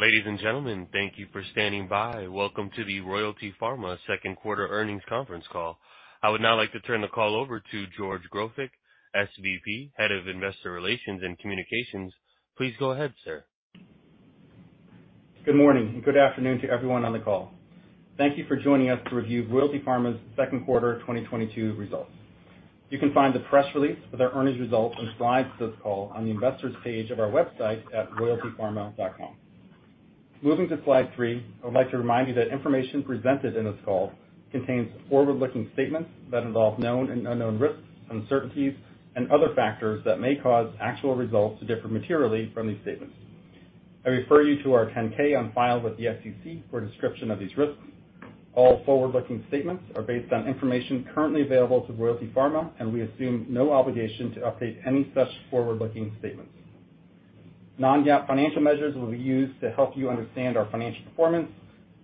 Ladies and gentlemen, thank you for standing by. Welcome to the Royalty Pharma Second Quarter Earnings Conference Call. I would now like to turn the call over to George Grofik, SVP, Head of Investor Relations and Communications. Please go ahead, sir. Good morning and good afternoon to everyone on the call. Thank you for joining us to review Royalty Pharma's second quarter 2022 results. You can find the press release with our earnings results and slides to this call on the investors page of our website at royaltypharma.com. Moving to slide 3, I would like to remind you that information presented in this call contains forward-looking statements that involve known and unknown risks, uncertainties, and other factors that may cause actual results to differ materially from these statements. I refer you to our 10-K on file with the SEC for a description of these risks. All forward-looking statements are based on information currently available to Royalty Pharma, and we assume no obligation to update any such forward-looking statements. Non-GAAP financial measures will be used to help you understand our financial performance,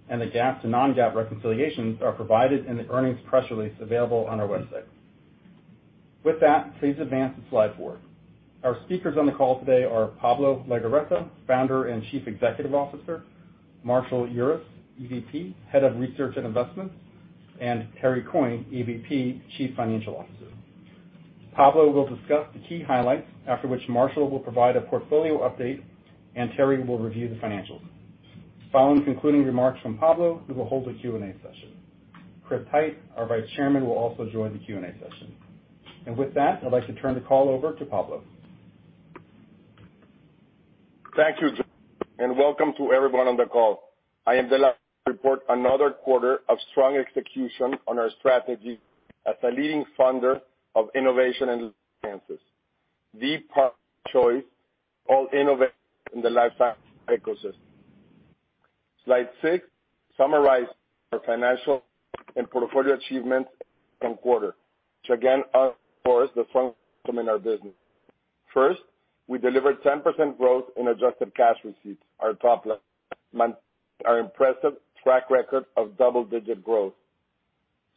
and the GAAP to non-GAAP reconciliations are provided in the earnings press release available on our website. With that, please advance to slide four. Our speakers on the call today are Pablo Legorreta, Founder and Chief Executive Officer, Marshall Urist, EVP, Head of Research and Investments, and Terry Coyne, EVP, Chief Financial Officer. Pablo will discuss the key highlights, after which Marshall will provide a portfolio update, and Terry will review the financials. Following concluding remarks from Pablo, we will hold a Q&A session. Chris Hite, our Vice Chairman, will also join the Q&A session. With that, I'd like to turn the call over to Pablo. Thank you, George Grofik, and welcome to everyone on the call. I am delighted to report another quarter of strong execution on our strategy as a leading funder of innovation and the partner of choice for all innovators in the life science ecosystem. Slide 6 summarizes our financial and portfolio achievements this quarter, which again underscores the strength within our business. First, we delivered 10% growth in adjusted cash receipts, our top line, maintaining our impressive track record of double-digit growth.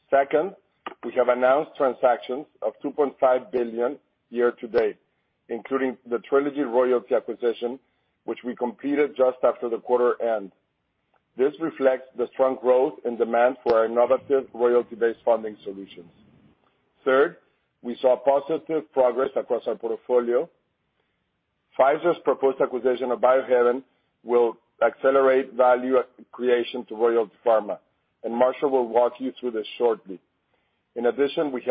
Second, we have announced transactions of $2.5 billion year to date, including the Trelegy royalty acquisition, which we completed just after the quarter end. This reflects the strong growth and demand for our innovative royalty-based funding solutions. Third, we saw positive progress across our portfolio. Pfizer's proposed acquisition of Biohaven will accelerate value creation to Royalty Pharma, and Marshall Urist will walk you through this shortly. In addition, we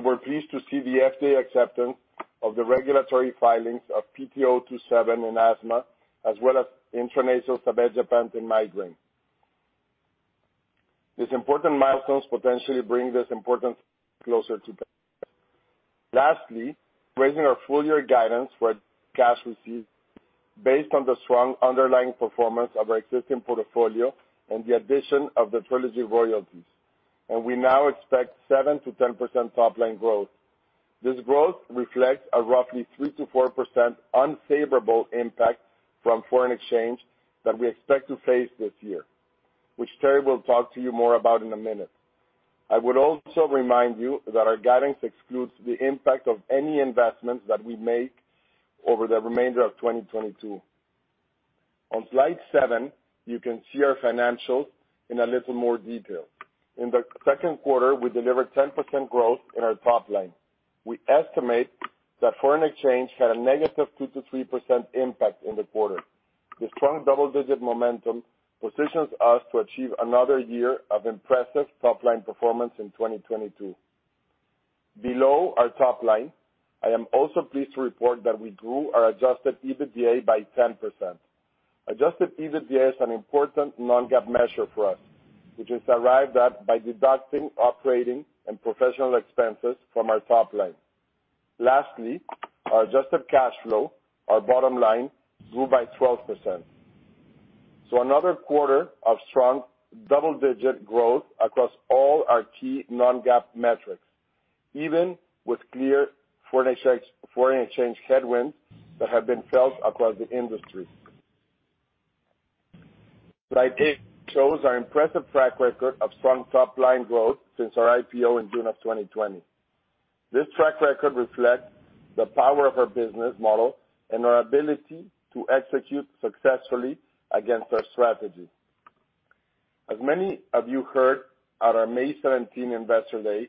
were pleased to see the FDA acceptance of the regulatory filings of PT027 in asthma, as well as intranasal zavegepant in migraine. Lastly, we're raising our full year guidance for cash receipts based on the strong underlying performance of our existing portfolio and the addition of the Trelegy royalties, and we now expect 7%-10% top line growth. This growth reflects a roughly 3%-4% unfavorable impact from foreign exchange that we expect to face this year, which Terry will talk to you more about in a minute. I would also remind you that our guidance excludes the impact of any investments that we make over the remainder of 2022. On slide 7, you can see our financials in a little more detail. In the second quarter, we delivered 10% growth in our top line. We estimate that foreign exchange had a negative 2%-3% impact in the quarter. The strong double-digit momentum positions us to achieve another year of impressive top-line performance in 2022. Below our top line, I am also pleased to report that we grew our Adjusted EBITDA by 10%. Adjusted EBITDA is an important non-GAAP measure for us, which is arrived at by deducting operating and professional expenses from our top line. Lastly, our Adjusted Cash Flow, our bottom line, grew by 12%. Another quarter of strong double-digit growth across all our key non-GAAP metrics, even with clear foreign exchange headwinds that have been felt across the industry. Slide 8 shows our impressive track record of strong top-line growth since our IPO in June of 2020. This track record reflects the power of our business model and our ability to execute successfully against our strategy. As many of you heard at our May seventeenth Investor Day,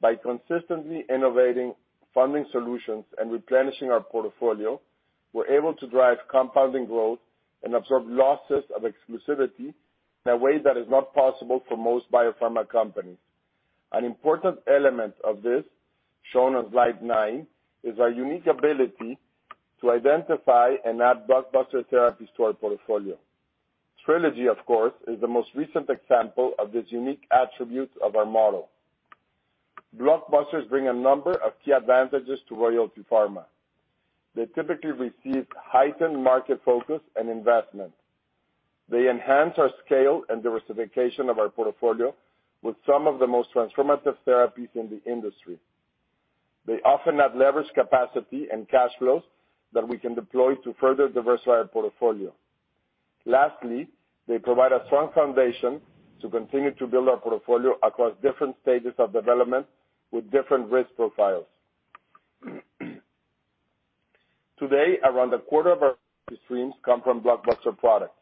by consistently innovating funding solutions and replenishing our portfolio, we're able to drive compounding growth and absorb losses of exclusivity in a way that is not possible for most biopharma companies. An important element of this, shown on slide nine, is our unique ability to identify and add blockbuster therapies to our portfolio. Trelegy, of course, is the most recent example of this unique attribute of our model. Blockbusters bring a number of key advantages to Royalty Pharma. They typically receive heightened market focus and investment. They enhance our scale and diversification of our portfolio with some of the most transformative therapies in the industry. They often have leverage capacity and cash flows that we can deploy to further diversify our portfolio. Lastly, they provide a strong foundation to continue to build our portfolio across different stages of development with different risk profiles. Today, around a quarter of our streams come from blockbuster products.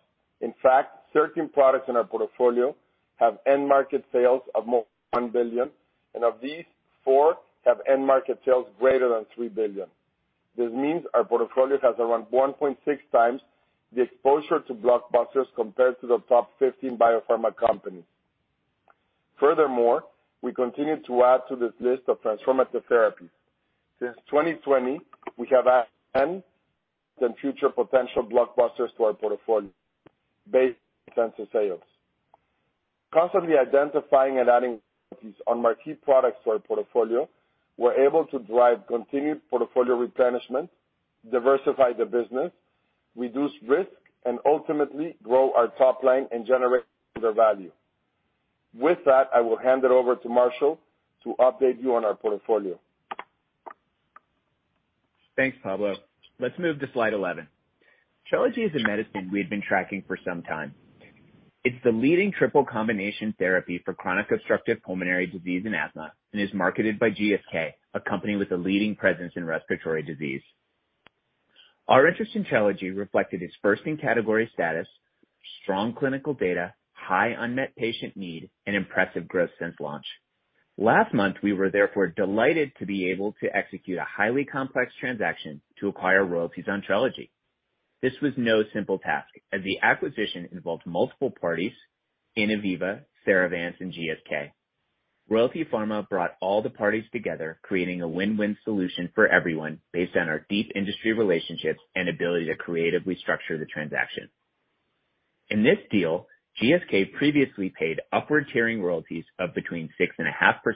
In fact, certain products in our portfolio have end market sales of more than $1 billion, and of these, four have end market sales greater than $3 billion. This means our portfolio has around 1.6 times the exposure to blockbusters compared to the top 15 biopharma companies. Furthermore, we continue to add to this list of transformative therapies. Since 2020, we have added 10 future potential blockbusters to our portfolio based on consensus sales. Constantly identifying and adding on marquee products to our portfolio, we're able to drive continued portfolio replenishment, diversify the business, reduce risk, and ultimately grow our top line and generate further value. With that, I will hand it over to Marshall to update you on our portfolio. Thanks, Pablo. Let's move to slide 11. Trelegy is a medicine we've been tracking for some time. It's the leading triple combination therapy for chronic obstructive pulmonary disease and asthma, and is marketed by GSK, a company with a leading presence in respiratory disease. Our interest in Trelegy reflected its first in category status, strong clinical data, high unmet patient need, and impressive growth since launch. Last month, we were therefore delighted to be able to execute a highly complex transaction to acquire royalties on Trelegy. This was no simple task, as the acquisition involved multiple parties, Innoviva, Theravance, and GSK. Royalty Pharma brought all the parties together, creating a win-win solution for everyone based on our deep industry relationships and ability to creatively structure the transaction. In this deal, GSK previously paid upward tiering royalties of between 6.5%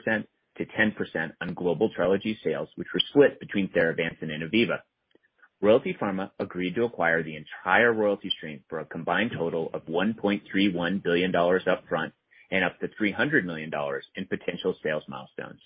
and 10% on global Trelegy sales, which were split between Theravance and Innoviva. Royalty Pharma agreed to acquire the entire royalty stream for a combined total of $1.31 billion upfront and up to $300 million in potential sales milestones.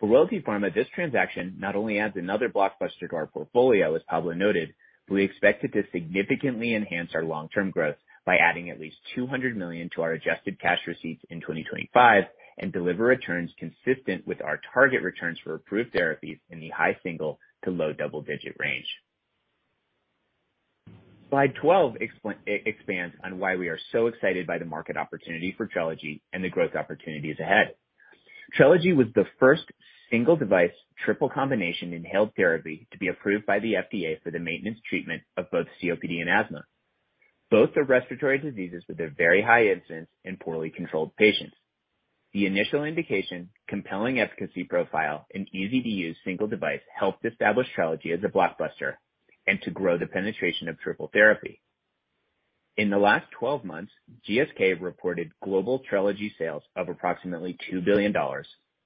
For Royalty Pharma, this transaction not only adds another blockbuster to our portfolio, as Pablo noted, we expect it to significantly enhance our long-term growth by adding at least $200 million to our Adjusted Cash Receipts in 2025 and deliver returns consistent with our target returns for approved therapies in the high single- to low double-digit range. Slide 12 expands on why we are so excited by the market opportunity for Trelegy and the growth opportunities ahead. Trelegy was the first single device triple combination inhaled therapy to be approved by the FDA for the maintenance treatment of both COPD and asthma. Both are respiratory diseases with a very high incidence in poorly controlled patients. The initial indication, compelling efficacy profile, and easy-to-use single device helped establish Trelegy as a blockbuster and to grow the penetration of triple therapy. In the last 12 months, GSK reported global Trelegy sales of approximately $2 billion,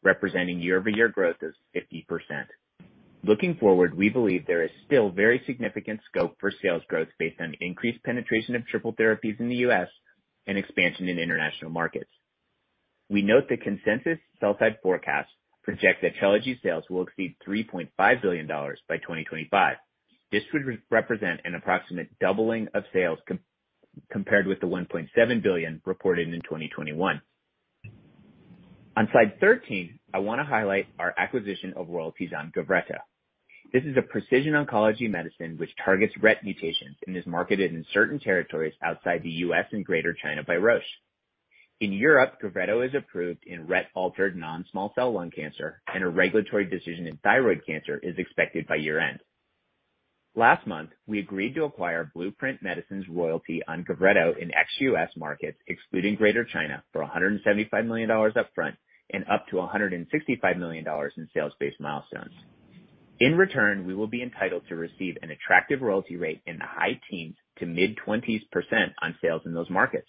representing year-over-year growth of 50%. Looking forward, we believe there is still very significant scope for sales growth based on increased penetration of triple therapies in the U.S. and expansion in international markets. We note that consensus sell side forecasts project that Trelegy sales will exceed $3.5 billion by 2025. This would represent an approximate doubling of sales compared with the $1.7 billion reported in 2021. On slide 13, I wanna highlight our acquisition of royalties on Gavreto. This is a precision oncology medicine which targets RET mutations and is marketed in certain territories outside the US and Greater China by Roche. In Europe, Gavreto is approved in RET-altered non-small cell lung cancer, and a regulatory decision in thyroid cancer is expected by year-end. Last month, we agreed to acquire Blueprint Medicines' royalty on Gavreto in ex-U.S. Markets, excluding Greater China for $175 million upfront and up to $165 million in sales-based milestones. In return, we will be entitled to receive an attractive royalty rate in the high teens to mid-20s% on sales in those markets.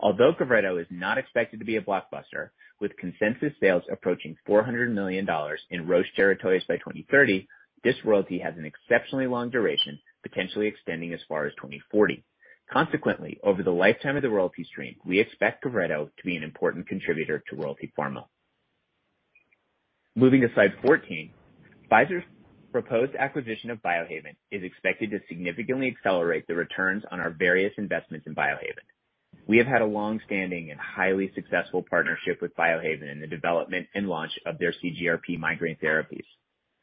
Although Gavreto is not expected to be a blockbuster, with consensus sales approaching $400 million in Roche territories by 2030, this royalty has an exceptionally long duration, potentially extending as far as 2040. Consequently, over the lifetime of the royalty stream, we expect Gavreto to be an important contributor to Royalty Pharma. Moving to slide 14. Pfizer's proposed acquisition of Biohaven is expected to significantly accelerate the returns on our various investments in Biohaven. We have had a long-standing and highly successful partnership with Biohaven in the development and launch of their CGRP migraine therapies.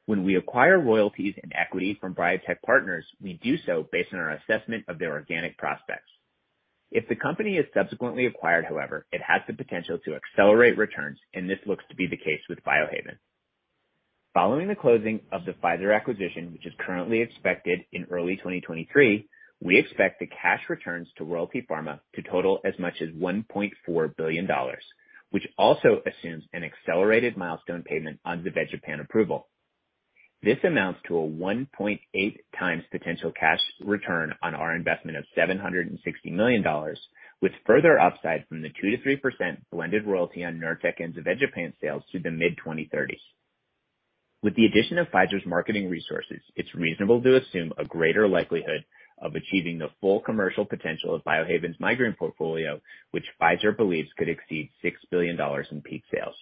When we acquire royalties and equity from biotech partners, we do so based on our assessment of their organic prospects. If the company is subsequently acquired, however, it has the potential to accelerate returns, and this looks to be the case with Biohaven. Following the closing of the Pfizer acquisition, which is currently expected in early 2023, we expect the cash returns to Royalty Pharma to total as much as $1.4 billion, which also assumes an accelerated milestone payment on zavegepant approval. This amounts to a 1.8x potential cash return on our investment of $760 million, with further upside from the 2%-3% blended royalty on Nurtec and zavegepant sales through the mid-2030s. With the addition of Pfizer's marketing resources, it's reasonable to assume a greater likelihood of achieving the full commercial potential of Biohaven's migraine portfolio, which Pfizer believes could exceed $6 billion in peak sales.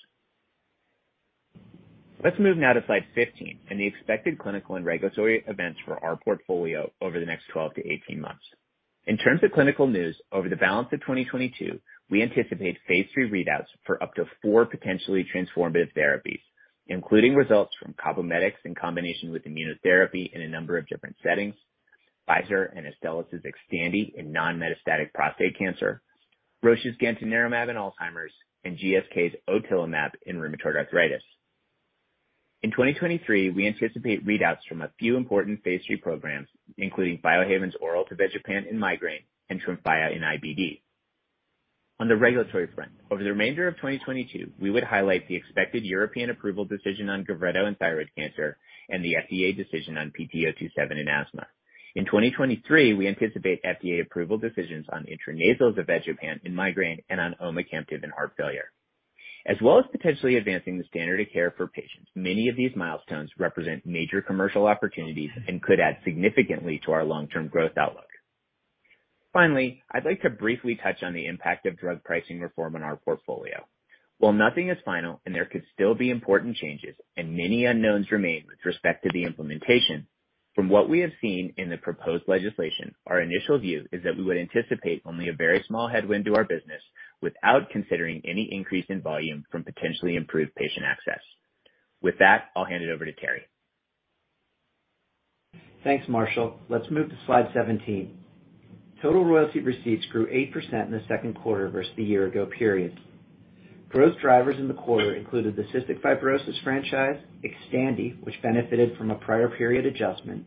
Let's move now to slide 15 and the expected clinical and regulatory events for our portfolio over the next 12 to 18 months. In terms of clinical news, over the balance of 2022, we anticipate phase 3 readouts for up to 4 potentially transformative therapies, including results from Cabometyx in combination with immunotherapy in a number of different settings, Pfizer and Astellas' Xtandi in non-metastatic prostate cancer, Roche's gantenerumab in Alzheimer's, and GSK's otilimab in rheumatoid arthritis. In 2023, we anticipate readouts from a few important phase 3 programs, including Biohaven's oral zavegepant in migraine and TREMFYA in IBD. On the regulatory front, over the remainder of 2022, we would highlight the expected European approval decision on Gavreto in thyroid cancer and the FDA decision on PT027 in asthma. In 2023, we anticipate FDA approval decisions on intranasal zavegepant in migraine and on omecamtiv in heart failure. As well as potentially advancing the standard of care for patients, many of these milestones represent major commercial opportunities and could add significantly to our long-term growth outlook. Finally, I'd like to briefly touch on the impact of drug pricing reform on our portfolio. While nothing is final and there could still be important changes and many unknowns remain with respect to the implementation, from what we have seen in the proposed legislation, our initial view is that we would anticipate only a very small headwind to our business without considering any increase in volume from potentially improved patient access. With that, I'll hand it over to Terry. Thanks, Marshall. Let's move to slide 17. Total royalty receipts grew 8% in the second quarter versus the year ago period. Growth drivers in the quarter included the cystic fibrosis franchise, Xtandi, which benefited from a prior period adjustment,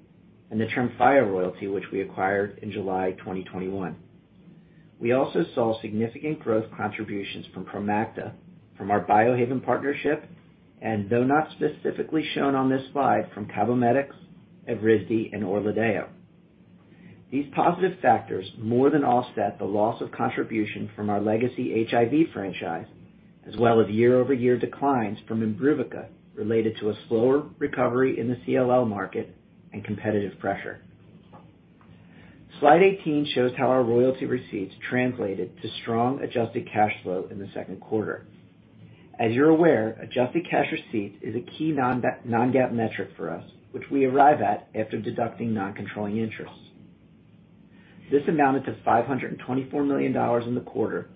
and the TREMFYA royalty which we acquired in July 2021. We also saw significant growth contributions from Kerendia, from our Biohaven partnership, and though not specifically shown on this slide, from Cabometyx, Evrysdi, and ORLADEYO. These positive factors more than offset the loss of contribution from our legacy HIV franchise, as well as year-over-year declines from IMBRUVICA related to a slower recovery in the CLL market and competitive pressure. Slide 18 shows how our royalty receipts translated to strong Adjusted Cash Flow in the second quarter. As you're aware, Adjusted Cash Receipts is a key non-GAAP metric for us, which we arrive at after deducting non-controlling interest. This amounted to $524 million in the quarter,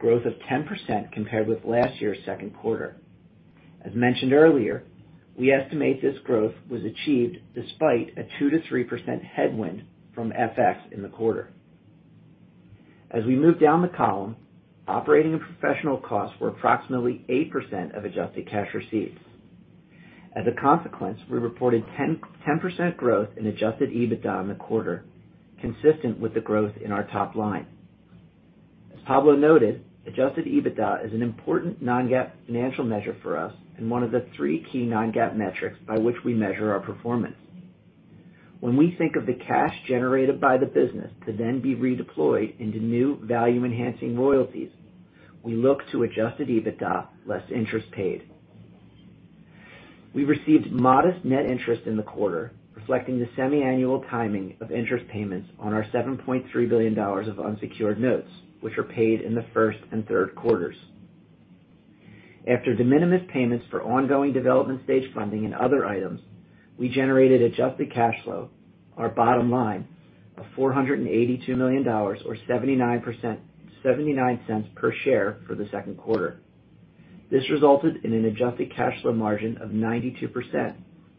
growth of 10% compared with last year's second quarter. As mentioned earlier, we estimate this growth was achieved despite a 2%-3% headwind from FX in the quarter. As we move down the column, operating and professional costs were approximately 8% of adjusted cash receipts. As a consequence, we reported 10% growth in adjusted EBITDA in the quarter, consistent with the growth in our top line. As Pablo noted, adjusted EBITDA is an important non-GAAP financial measure for us and one of the three key non-GAAP metrics by which we measure our performance. When we think of the cash generated by the business to then be redeployed into new value-enhancing royalties, we look to adjusted EBITDA less interest paid. We received modest net interest in the quarter, reflecting the semi-annual timing of interest payments on our $7.3 billion of unsecured notes, which were paid in the first and third quarters. After de minimis payments for ongoing development stage funding and other items, we generated Adjusted Cash Flow, our bottom line, of $482 million or $0.79 per share for the second quarter. This resulted in an Adjusted Cash Flow margin of 92%,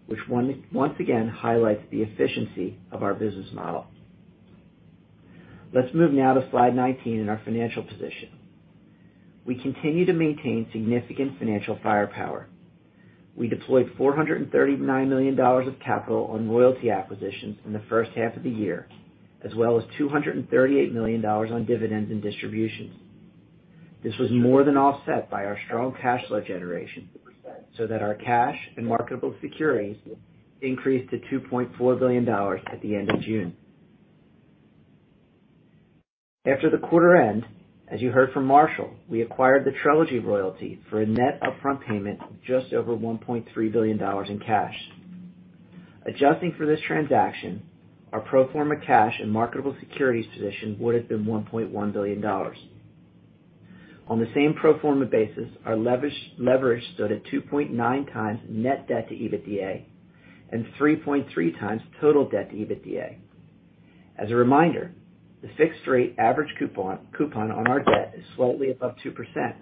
which once again highlights the efficiency of our business model. Let's move now to slide 19 and our financial position. We continue to maintain significant financial firepower. We deployed $439 million of capital on royalty acquisitions in the first half of the year, as well as $238 million on dividends and distributions. This was more than offset by our strong cash flow generation, so that our cash and marketable securities increased to $2.4 billion at the end of June. After the quarter end, as you heard from Marshall, we acquired the Trelegy royalty for a net upfront payment of just over $1.3 billion in cash. Adjusting for this transaction, our pro forma cash and marketable securities position would have been $1.1 billion. On the same pro forma basis, our leverage stood at 2.9x net debt to EBITDA and 3.3x total debt to EBITDA. As a reminder, the fixed-rate average coupon on our debt is slightly above 2%,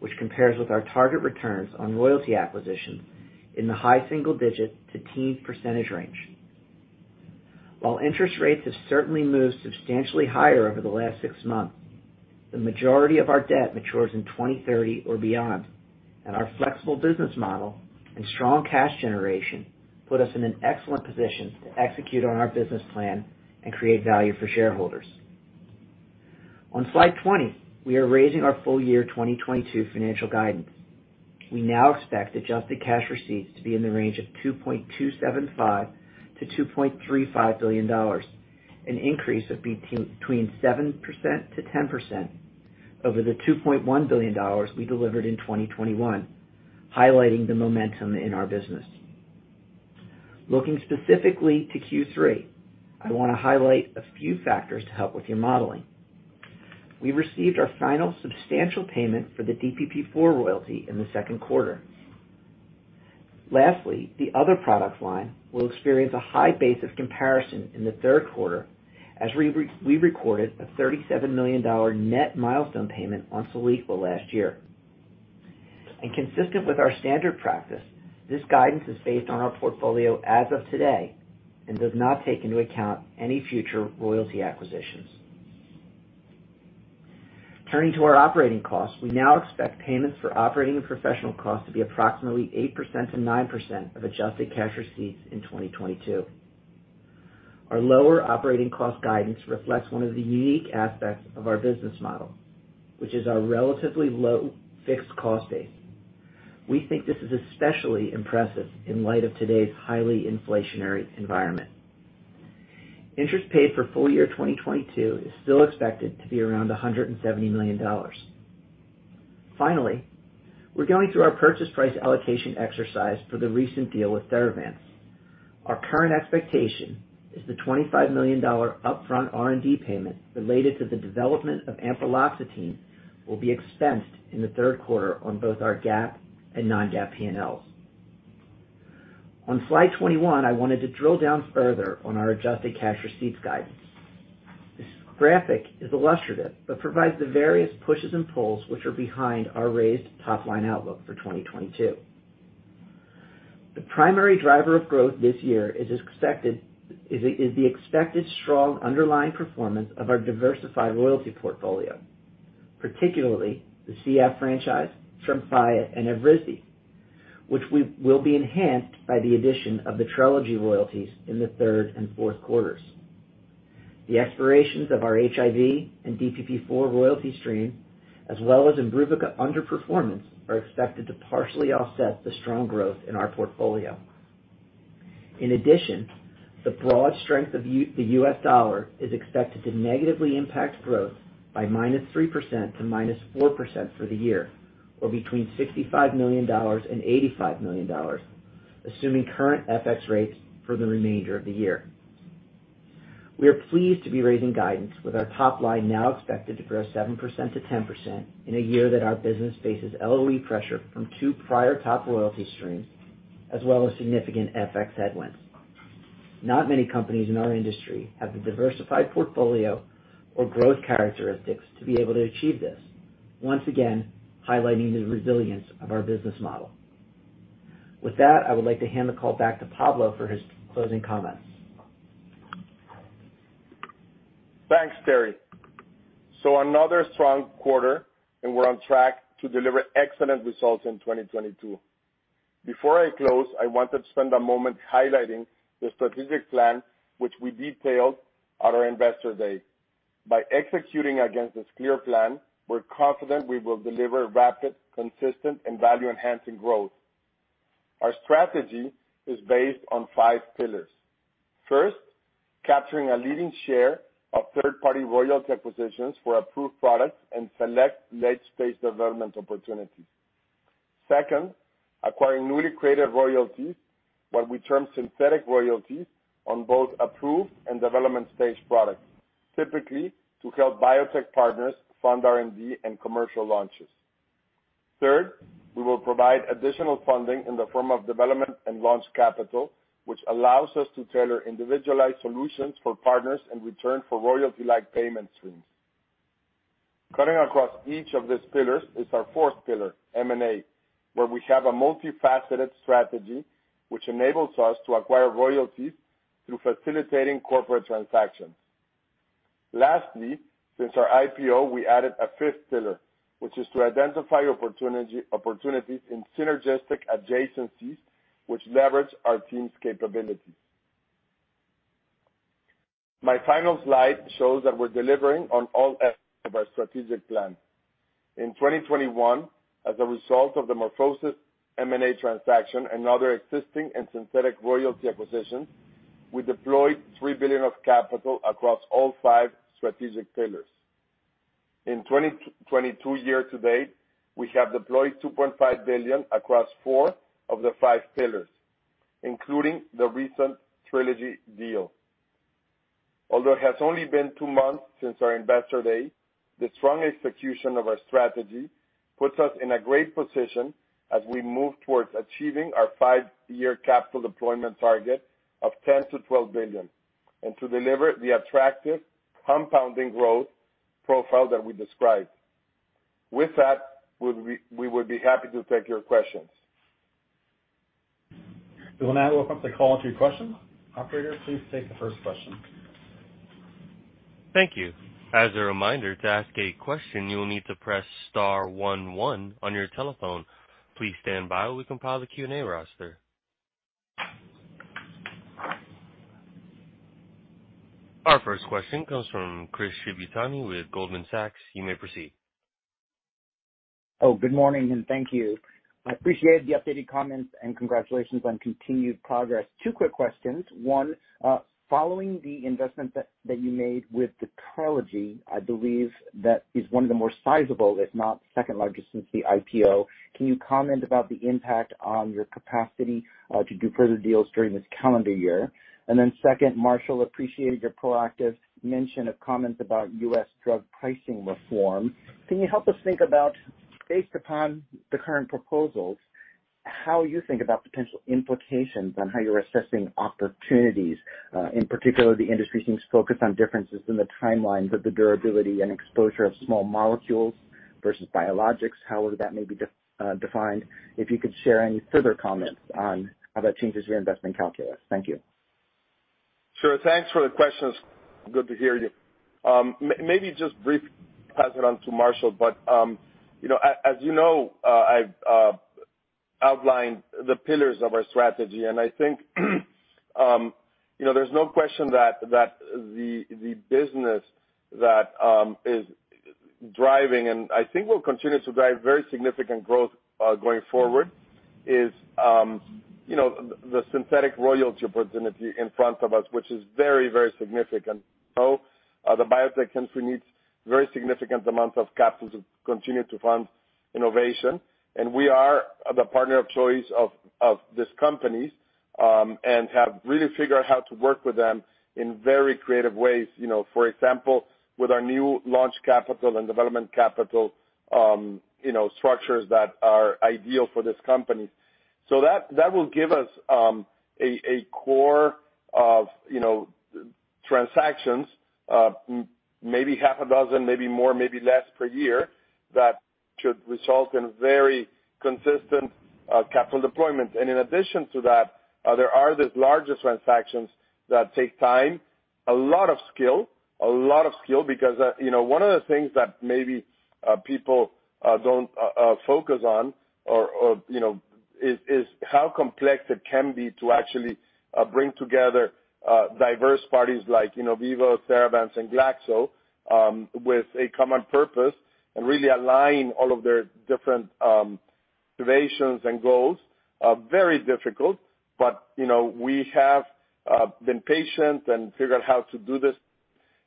which compares with our target returns on royalty acquisitions in the high single digits to teens % range. While interest rates have certainly moved substantially higher over the last six months, the majority of our debt matures in 2030 or beyond, and our flexible business model and strong cash generation put us in an excellent position to execute on our business plan and create value for shareholders. On slide 20, we are raising our full year 2022 financial guidance. We now expect adjusted cash receipts to be in the range of $2.275 billion-$2.35 billion, an increase of between 7% to 10% over the $2.1 billion we delivered in 2021, highlighting the momentum in our business. Looking specifically to Q3, I wanna highlight a few factors to help with your modeling. We received our final substantial payment for the DPP-4 royalty in the second quarter. Lastly, the other products line will experience a high base of comparison in the third quarter as we recorded a $37 million net milestone payment on Soliqua last year. Consistent with our standard practice, this guidance is based on our portfolio as of today and does not take into account any future royalty acquisitions. Turning to our operating costs, we now expect payments for operating and professional costs to be approximately 8%-9% of adjusted cash receipts in 2022. Our lower operating cost guidance reflects one of the unique aspects of our business model, which is our relatively low fixed cost base. We think this is especially impressive in light of today's highly inflationary environment. Interest paid for full year 2022 is still expected to be around $170 million. Finally, we're going through our purchase price allocation exercise for the recent deal with Theravance. Our current expectation is the $25 million upfront R&D payment related to the development of ampreloxetine will be expensed in the third quarter on both our GAAP and non-GAAP P&Ls. On slide 21, I wanted to drill down further on our adjusted cash receipts guidance. This graphic is illustrative, but provides the various pushes and pulls which are behind our raised top-line outlook for 2022. The primary driver of growth this year is the expected strong underlying performance of our diversified royalty portfolio, particularly the CF franchise, TREMFYA and Evrysdi, which will be enhanced by the addition of the Trelegy royalties in the third and fourth quarters. The expirations of our HIV and DPP-4 royalty stream, as well as IMBRUVICA underperformance, are expected to partially offset the strong growth in our portfolio. In addition, the broad strength of the U.S. dollar is expected to negatively impact growth by -3% to -4% for the year, or between $65 million and $85 million, assuming current FX rates for the remainder of the year. We are pleased to be raising guidance with our top line now expected to grow 7%-10% in a year that our business faces LOE pressure from two prior top royalty streams, as well as significant FX headwinds. Not many companies in our industry have the diversified portfolio or growth characteristics to be able to achieve this, once again highlighting the resilience of our business model. With that, I would like to hand the call back to Pablo for his closing comments. Thanks, Terry. Another strong quarter, and we're on track to deliver excellent results in 2022. Before I close, I want to spend a moment highlighting the strategic plan which we detailed at our Investor Day. By executing against this clear plan, we're confident we will deliver rapid, consistent, and value-enhancing growth. Our strategy is based on five pillars. First, capturing a leading share of third-party royalty acquisitions for approved products and select late-stage development opportunities. Second, acquiring newly created royalties, what we term synthetic royalties, on both approved and development-stage products, typically to help biotech partners fund R&D and commercial launches. Third, we will provide additional funding in the form of development and launch capital, which allows us to tailor individualized solutions for partners in return for royalty-like payment streams. Cutting across each of these pillars is our fourth pillar, M&A, where we have a multifaceted strategy which enables us to acquire royalties through facilitating corporate transactions. Lastly, since our IPO, we added a fifth pillar, which is to identify opportunities in synergistic adjacencies which leverage our team's capabilities. My final slide shows that we're delivering on all aspects of our strategic plan. In 2021, as a result of the MorphoSys M&A transaction and other existing and synthetic royalty acquisitions, we deployed $3 billion of capital across all five strategic pillars. In 2022 year to date, we have deployed $2.5 billion across four of the five pillars, including the recent Trelegy deal. Although it has only been two months since our Investor Day, the strong execution of our strategy puts us in a great position as we move towards achieving our five-year capital deployment target of $10-12 billion and to deliver the attractive compounding growth profile that we described. With that, we would be happy to take your questions. We will now open up the call to questions. Operator, please take the first question. Thank you. As a reminder, to ask a question, you will need to press star one one on your telephone. Please stand by while we compile the Q&A roster. Our first question comes from Chris Shibutani with Goldman Sachs. You may proceed. Oh, good morning, and thank you. I appreciate the updated comments and congratulations on continued progress. Two quick questions. One, following the investment that you made with the Trelegy, I believe that is one of the more sizable, if not second largest since the IPO. Can you comment about the impact on your capacity to do further deals during this calendar year? Second, Marshall, I appreciated your proactive mention of comments about U.S. drug pricing reform. Can you help us think about, based upon the current proposals. How you think about potential implications on how you're assessing opportunities. In particular, the industry seems focused on differences in the timeline, but the durability and exposure of small molecules versus biologics, however that may be defined. If you could share any further comments on how that changes your investment calculus. Thank you. Sure. Thanks for the questions. Good to hear you. Maybe just briefly pass it on to Marshall, but, you know, as you know, I've outlined the pillars of our strategy, and I think, you know, there's no question that the business that is driving and I think will continue to drive very significant growth going forward is, you know, the synthetic royalty opportunity in front of us, which is very, very significant. So, the biotech industry needs very significant amounts of capital to continue to fund innovation, and we are the partner of choice of these companies, and have really figured out how to work with them in very creative ways. You know, for example, with our new launch capital and development capital, you know, structures that are ideal for this company. That will give us a core of, you know, transactions, maybe 6, maybe more, maybe less per year, that should result in very consistent capital deployment. In addition to that, there are these larger transactions that take time, a lot of skill, because you know, one of the things that maybe people don't focus on or, you know, is how complex it can be to actually bring together diverse parties like, you know, Innoviva, Theravance, and Glaxo with a common purpose and really align all of their different motivations and goals are very difficult. You know, we have been patient and figured out how to do this,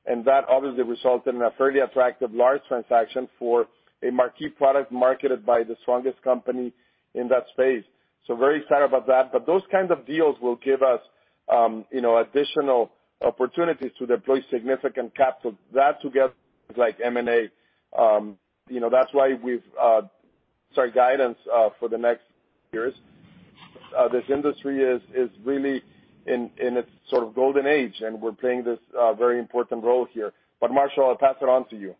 and that obviously resulted in a fairly attractive large transaction for a marquee product marketed by the strongest company in that space. Very excited about that. Those kind of deals will give us, you know, additional opportunities to deploy significant capital. That together with like M&A, you know, that's why we've started guidance for the next years. This industry is really in its sort of golden age, and we're playing this very important role here. Marshall, I'll pass it on to you.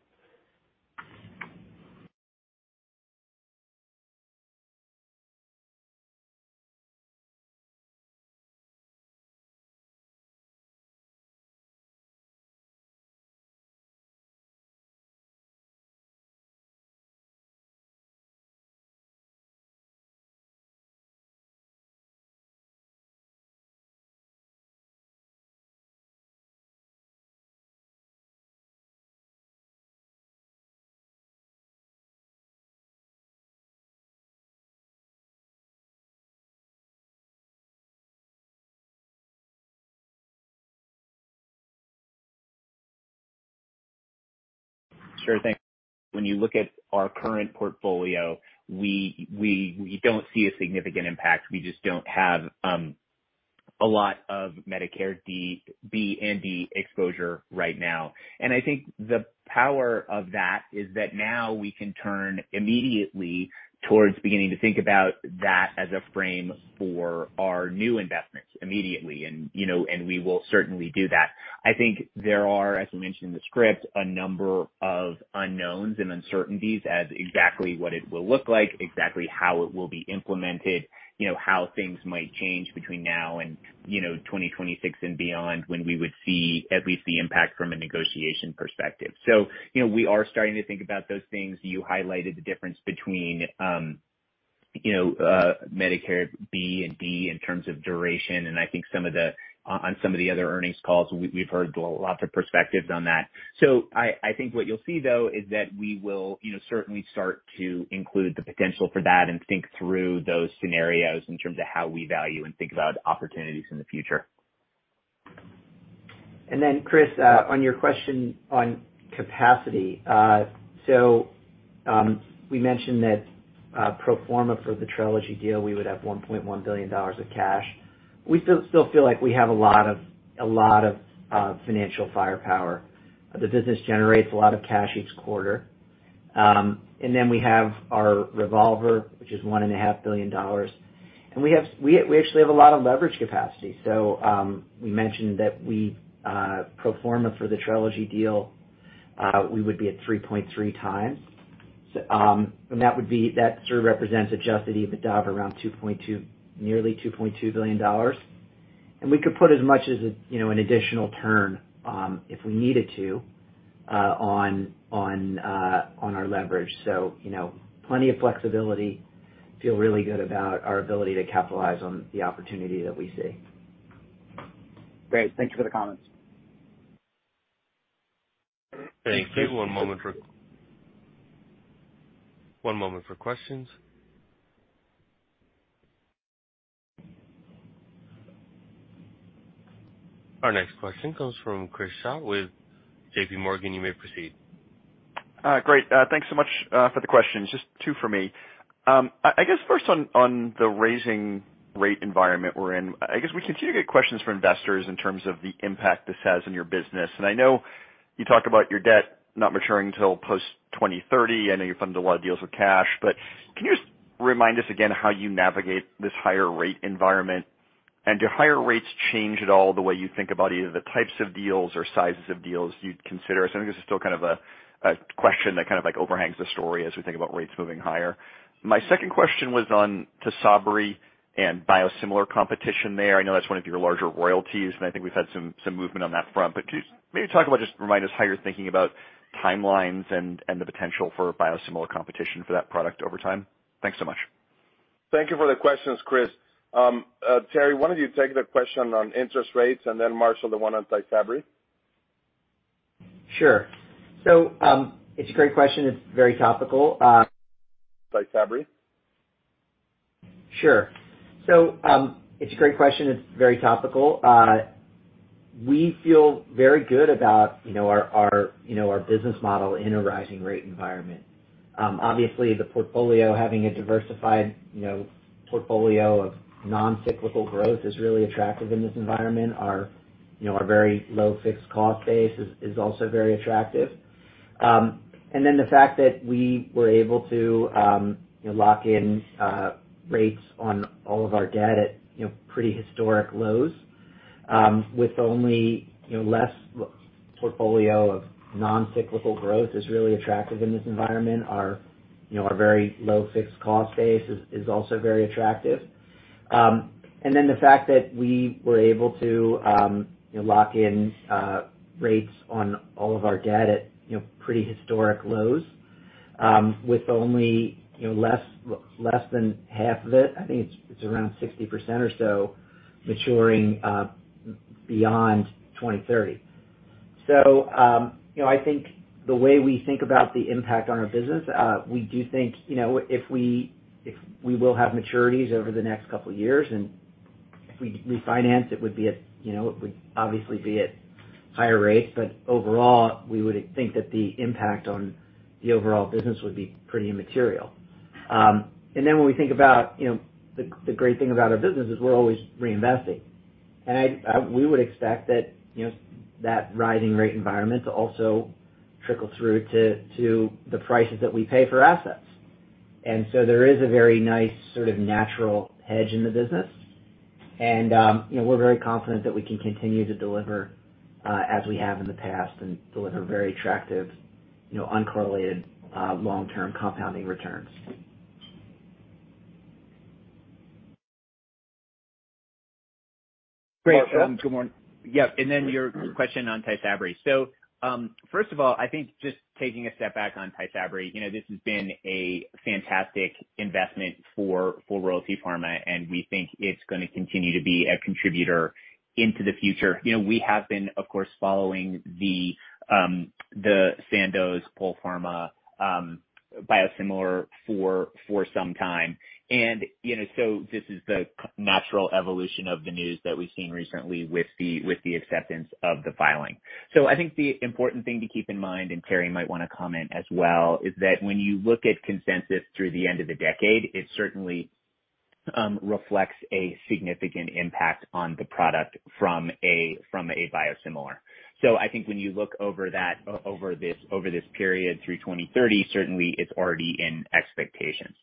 Sure thing. When you look at our current portfolio, we don't see a significant impact. We just don't have a lot of Medicare Part B and Part D exposure right now. I think the power of that is that now we can turn immediately towards beginning to think about that as a frame for our new investments immediately. You know, we will certainly do that. I think there are, as we mentioned in the script, a number of unknowns and uncertainties as exactly what it will look like, exactly how it will be implemented, you know, how things might change between now and, you know, 2026 and beyond when we would see at least the impact from a negotiation perspective. You know, we are starting to think about those things. You highlighted the difference between you know Medicare B and D in terms of duration, and I think some of the other earnings calls, we've heard lots of perspectives on that. I think what you'll see, though, is that we will you know certainly start to include the potential for that and think through those scenarios in terms of how we value and think about opportunities in the future. Chris, on your question on capacity. We mentioned that pro forma for the Trelegy deal, we would have $1.1 billion of cash. We still feel like we have a lot of financial firepower. The business generates a lot of cash each quarter. We have our revolver, which is $1.5 billion. We actually have a lot of leverage capacity. We mentioned that pro forma for the Trelegy deal, we would be at 3.3x. And that would be. That sort of represents Adjusted EBITDA of around 2.2, nearly $2.2 billion. We could put as much as, you know, an additional turn, if we needed to, on our leverage. You know, plenty of flexibility. Feel really good about our ability to capitalize on the opportunity that we see. Great. Thank you for the comments. Thank you. One moment for questions. Our next question comes from Chris Schott with JPMorgan. You may proceed. Great. Thanks so much for the questions. Just two for me. I guess first on the rising rate environment we're in. I guess we continue to get questions from investors in terms of the impact this has on your business. I know you talked about your debt not maturing till post-2030. I know you funded a lot of deals with cash, but can you just remind us again how you navigate this higher rate environment? Do higher rates change at all the way you think about either the types of deals or sizes of deals you'd consider? I think this is still kind of a question that kind of like overhangs the story as we think about rates moving higher. My second question was on Tysabri and biosimilar competition there. I know that's one of your larger royalties, and I think we've had some movement on that front. Can you maybe talk about just remind us how you're thinking about timelines and the potential for biosimilar competition for that product over time. Thanks so much. Thank you for the questions, Chris. Terry, why don't you take the question on interest rates and then Marshall the one on Tysabri. Sure. It's a great question. It's very topical. Tysabri. Sure. It's a great question. It's very topical. We feel very good about, you know, our business model in a rising rate environment. Obviously the portfolio having a diversified, you know, portfolio of non-cyclical growth is really attractive in this environment. Our very low fixed cost base is also very attractive. And then the fact that we were able to, you know, lock in rates on all of our debt at, you know, pretty historic lows, with only The fact that we were able to, you know, lock in rates on all of our debt at, you know, pretty historic lows, with only, you know, less than half of it, I think it's around 60% or so maturing beyond 2030. I think the way we think about the impact on our business, we do think, you know, if we will have maturities over the next couple years and if we refinance, it would be at, you know, it would obviously be at higher rates, but overall we would think that the impact on the overall business would be pretty immaterial. When we think about, you know, the great thing about our business is we're always reinvesting. I... We would expect that, you know, that rising rate environment to also trickle through to the prices that we pay for assets. There is a very nice sort of natural hedge in the business. You know, we're very confident that we can continue to deliver as we have in the past and deliver very attractive, you know, uncorrelated long-term compounding returns. Great. Two more. Yeah. Then your question on Tysabri. First of all, I think just taking a step back on Tysabri, you know, this has been a fantastic investment for Royalty Pharma, and we think it's gonna continue to be a contributor into the future. You know, we have been, of course, following the Sandoz Polpharma biosimilar for some time. You know, this is the natural evolution of the news that we've seen recently with the acceptance of the filing. I think the important thing to keep in mind, and Terry might wanna comment as well, is that when you look at consensus through the end of the decade, it certainly reflects a significant impact on the product from a biosimilar. I think when you look over that, over this period through 2030, certainly it's already in expectations.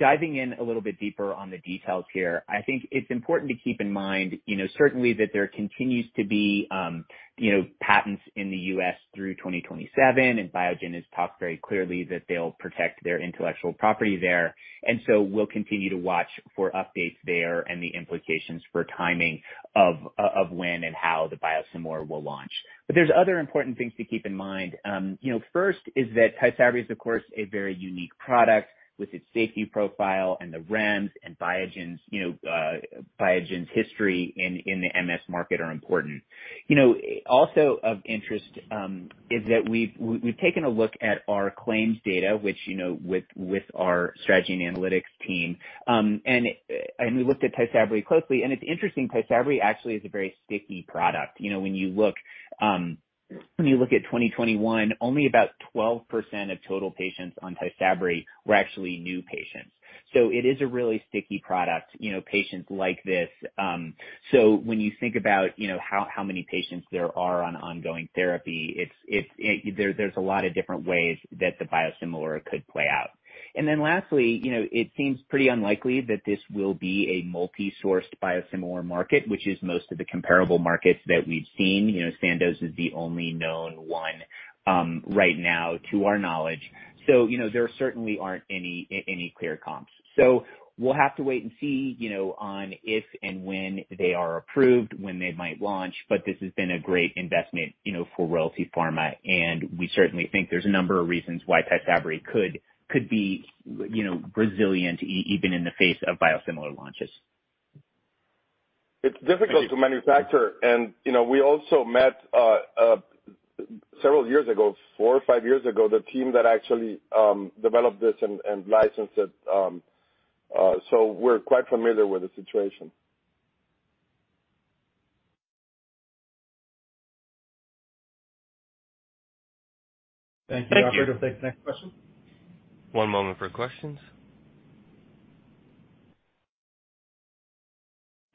Diving in a little bit deeper on the details here, I think it's important to keep in mind, certainly that there continues to be patents in the U.S. through 2027, and Biogen has talked very clearly that they'll protect their intellectual property there. We'll continue to watch for updates there and the implications for timing of when and how the biosimilar will launch. There's other important things to keep in mind. First is that Tysabri is, of course, a very unique product with its safety profile and the REMS and Biogen's Biogen's history in the MS market are important. You know, also of interest is that we've taken a look at our claims data, which, you know, with our strategy and analytics team, and we looked at Tysabri closely, and it's interesting. Tysabri actually is a very sticky product. You know, when you look at 2021, only about 12% of total patients on Tysabri were actually new patients. So it is a really sticky product, you know, patients like this. So when you think about, you know, how many patients there are on ongoing therapy, there's a lot of different ways that the biosimilar could play out. Then lastly, you know, it seems pretty unlikely that this will be a multi-sourced biosimilar market, which is most of the comparable markets that we've seen. You know, Sandoz is the only known one right now to our knowledge. You know, there certainly aren't any clear comps. We'll have to wait and see, you know, on if and when they are approved, when they might launch, but this has been a great investment, you know, for Royalty Pharma. We certainly think there's a number of reasons why Tysabri could be, you know, resilient even in the face of biosimilar launches. It's difficult to manufacture and, you know, we also met several years ago, 4 or 5 years ago, the team that actually developed this and licensed it. So we're quite familiar with the situation. Thank you. Thank you. Operator, we'll take the next question. One moment for questions.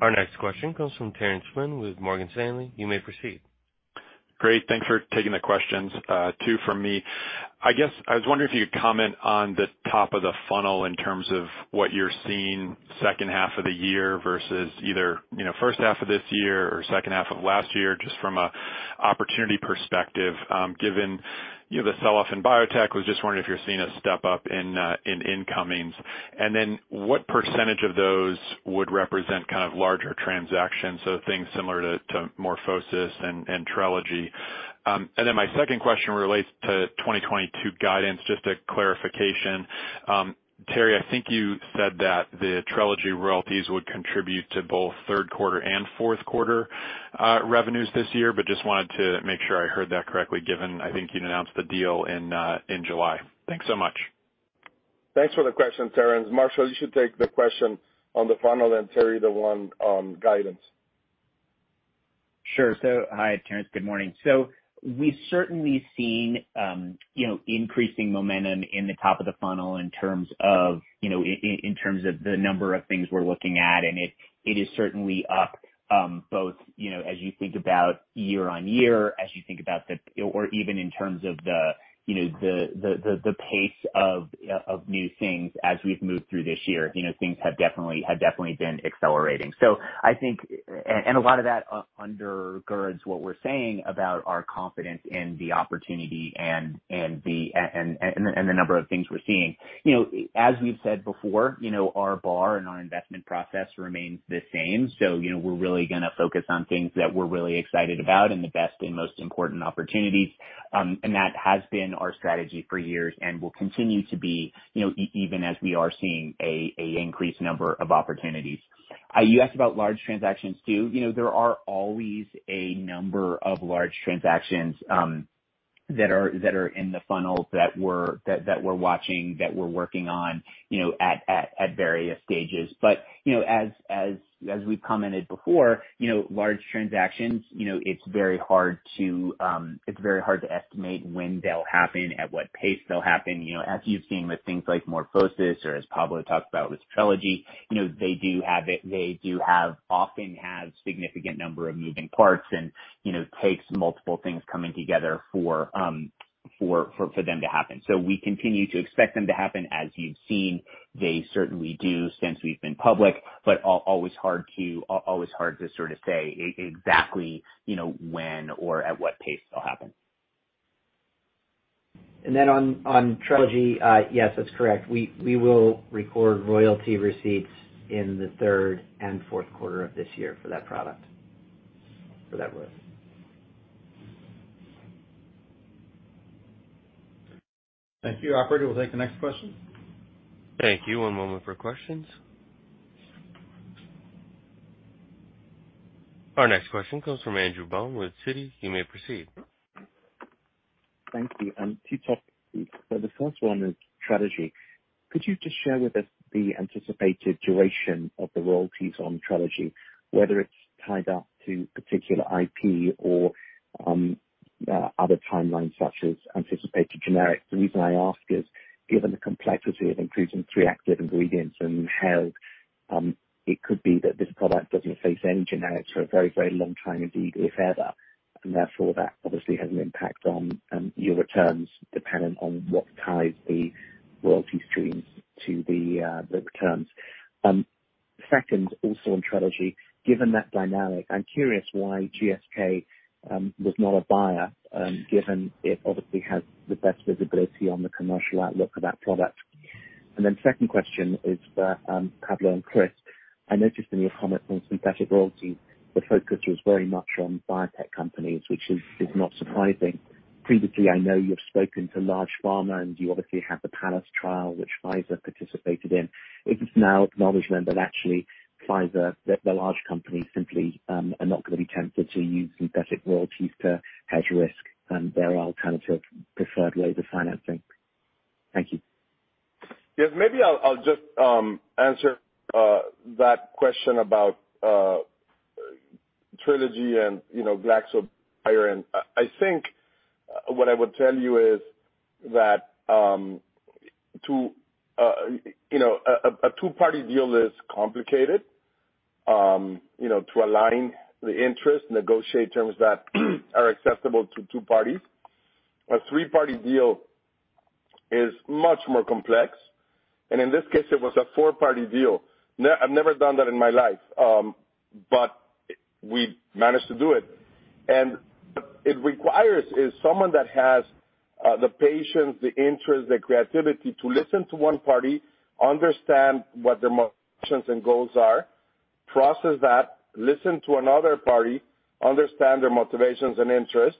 Our next question comes from Terence Flynn with Morgan Stanley. You may proceed. Great. Thanks for taking the questions. Two from me. I guess I was wondering if you could comment on the top of the funnel in terms of what you're seeing second half of the year versus either, you know, first half of this year or second half of last year, just from an opportunity perspective, given, you know, the sell-off in biotech. I was just wondering if you're seeing a step up in incomings. And then what percentage of those would represent kind of larger transactions, so things similar to MorphoSys and Trelegy? And then my second question relates to 2022 guidance, just a clarification. Terry, I think you said that the Trelegy royalties would contribute to both third quarter and fourth quarter revenues this year, but just wanted to make sure I heard that correctly, given I think you'd announced the deal in July. Thanks so much. Thanks for the question, Terence. Marshall, you should take the question on the funnel and Terry, the one on guidance. Sure. Hi, Terence. Good morning. We've certainly seen increasing momentum in the top of the funnel in terms of the number of things we're looking at. It is certainly up, both as you think about year on year, as you think about the pace of new things as we've moved through this year, things have definitely been accelerating. I think and a lot of that undergirds what we're saying about our confidence in the opportunity and the number of things we're seeing. As we've said before, our bar and our investment process remains the same. You know, we're really gonna focus on things that we're really excited about and the best and most important opportunities. That has been our strategy for years and will continue to be, you know, even as we are seeing an increased number of opportunities. You asked about large transactions too. You know, there are always a number of large transactions that are in the funnel that we're watching, that we're working on, you know, at various stages. You know, as we've commented before, you know, large transactions, you know, it's very hard to estimate when they'll happen, at what pace they'll happen. You know, as you've seen with things like MorphoSys or as Pablo talked about with Trelegy, you know, they do have it, often have significant number of moving parts and, you know, takes multiple things coming together for them to happen. We continue to expect them to happen. As you've seen, they certainly do since we've been public, but always hard to sort of say exactly, you know, when or at what pace they'll happen. On Trelegy, yes, that's correct. We will record royalty receipts in the third and fourth quarter of this year for that product, for that work. Thank you. Operator, we'll take the next question. Thank you. One moment for questions. Our next question comes from Andrew Baum with Citi. You may proceed. Thank you. Two topics. The first one is Trelegy. Could you just share with us the anticipated duration of the royalties on Trelegy, whether it's tied up to particular IP or other timelines such as anticipated generics? The reason I ask is, given the complexity of including three active ingredients and how it could be that this product doesn't face any generics for a very, very long time indeed, if ever, and therefore that obviously has an impact on your returns dependent on what ties the royalty streams to the terms. Second, also on Trelegy, given that dynamic, I'm curious why GSK was not a buyer, given it obviously has the best visibility on the commercial outlook for that product. Then second question is for Pablo and Chris. I noticed in your comment on synthetic royalties, the focus was very much on biotech companies, which is not surprising. Previously, I know you've spoken to large pharma, and you obviously have the PALLAS trial, which Pfizer participated in. Is it now acknowledgment that actually Pfizer, the large companies simply are not gonna be tempted to use synthetic royalties to hedge risk and there are alternative preferred ways of financing? Thank you. Yes. Maybe I'll just answer that question about Trelegy and, you know, GSK buyer. I think what I would tell you is that, you know, a two-party deal is complicated, you know, to align the interests, negotiate terms that are acceptable to two parties. A three-party deal is much more complex, and in this case it was a four-party deal. I've never done that in my life, but we managed to do it. What it requires is someone that has the patience, the interest, the creativity to listen to one party, understand what their motivations and goals are, process that, listen to another party, understand their motivations and interests,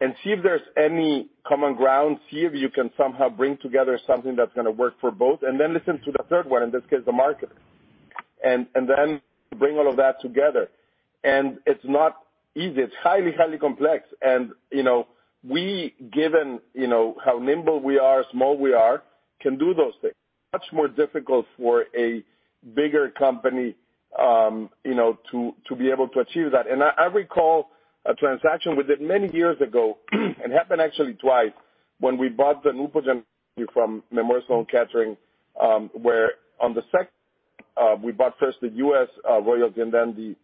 and see if there's any common ground, see if you can somehow bring together something that's gonna work for both, and then listen to the third one, in this case, the market, and then bring all of that together. It's not easy. It's highly complex. You know, we, given, you know, how nimble we are, small we are, can do those things. Much more difficult for a bigger company, you know, to be able to achieve that. I recall a transaction we did many years ago. It happened actually twice when we bought the royalty from Memorial Sloan Kettering, where on the second we bought first the U.S. royalty and then the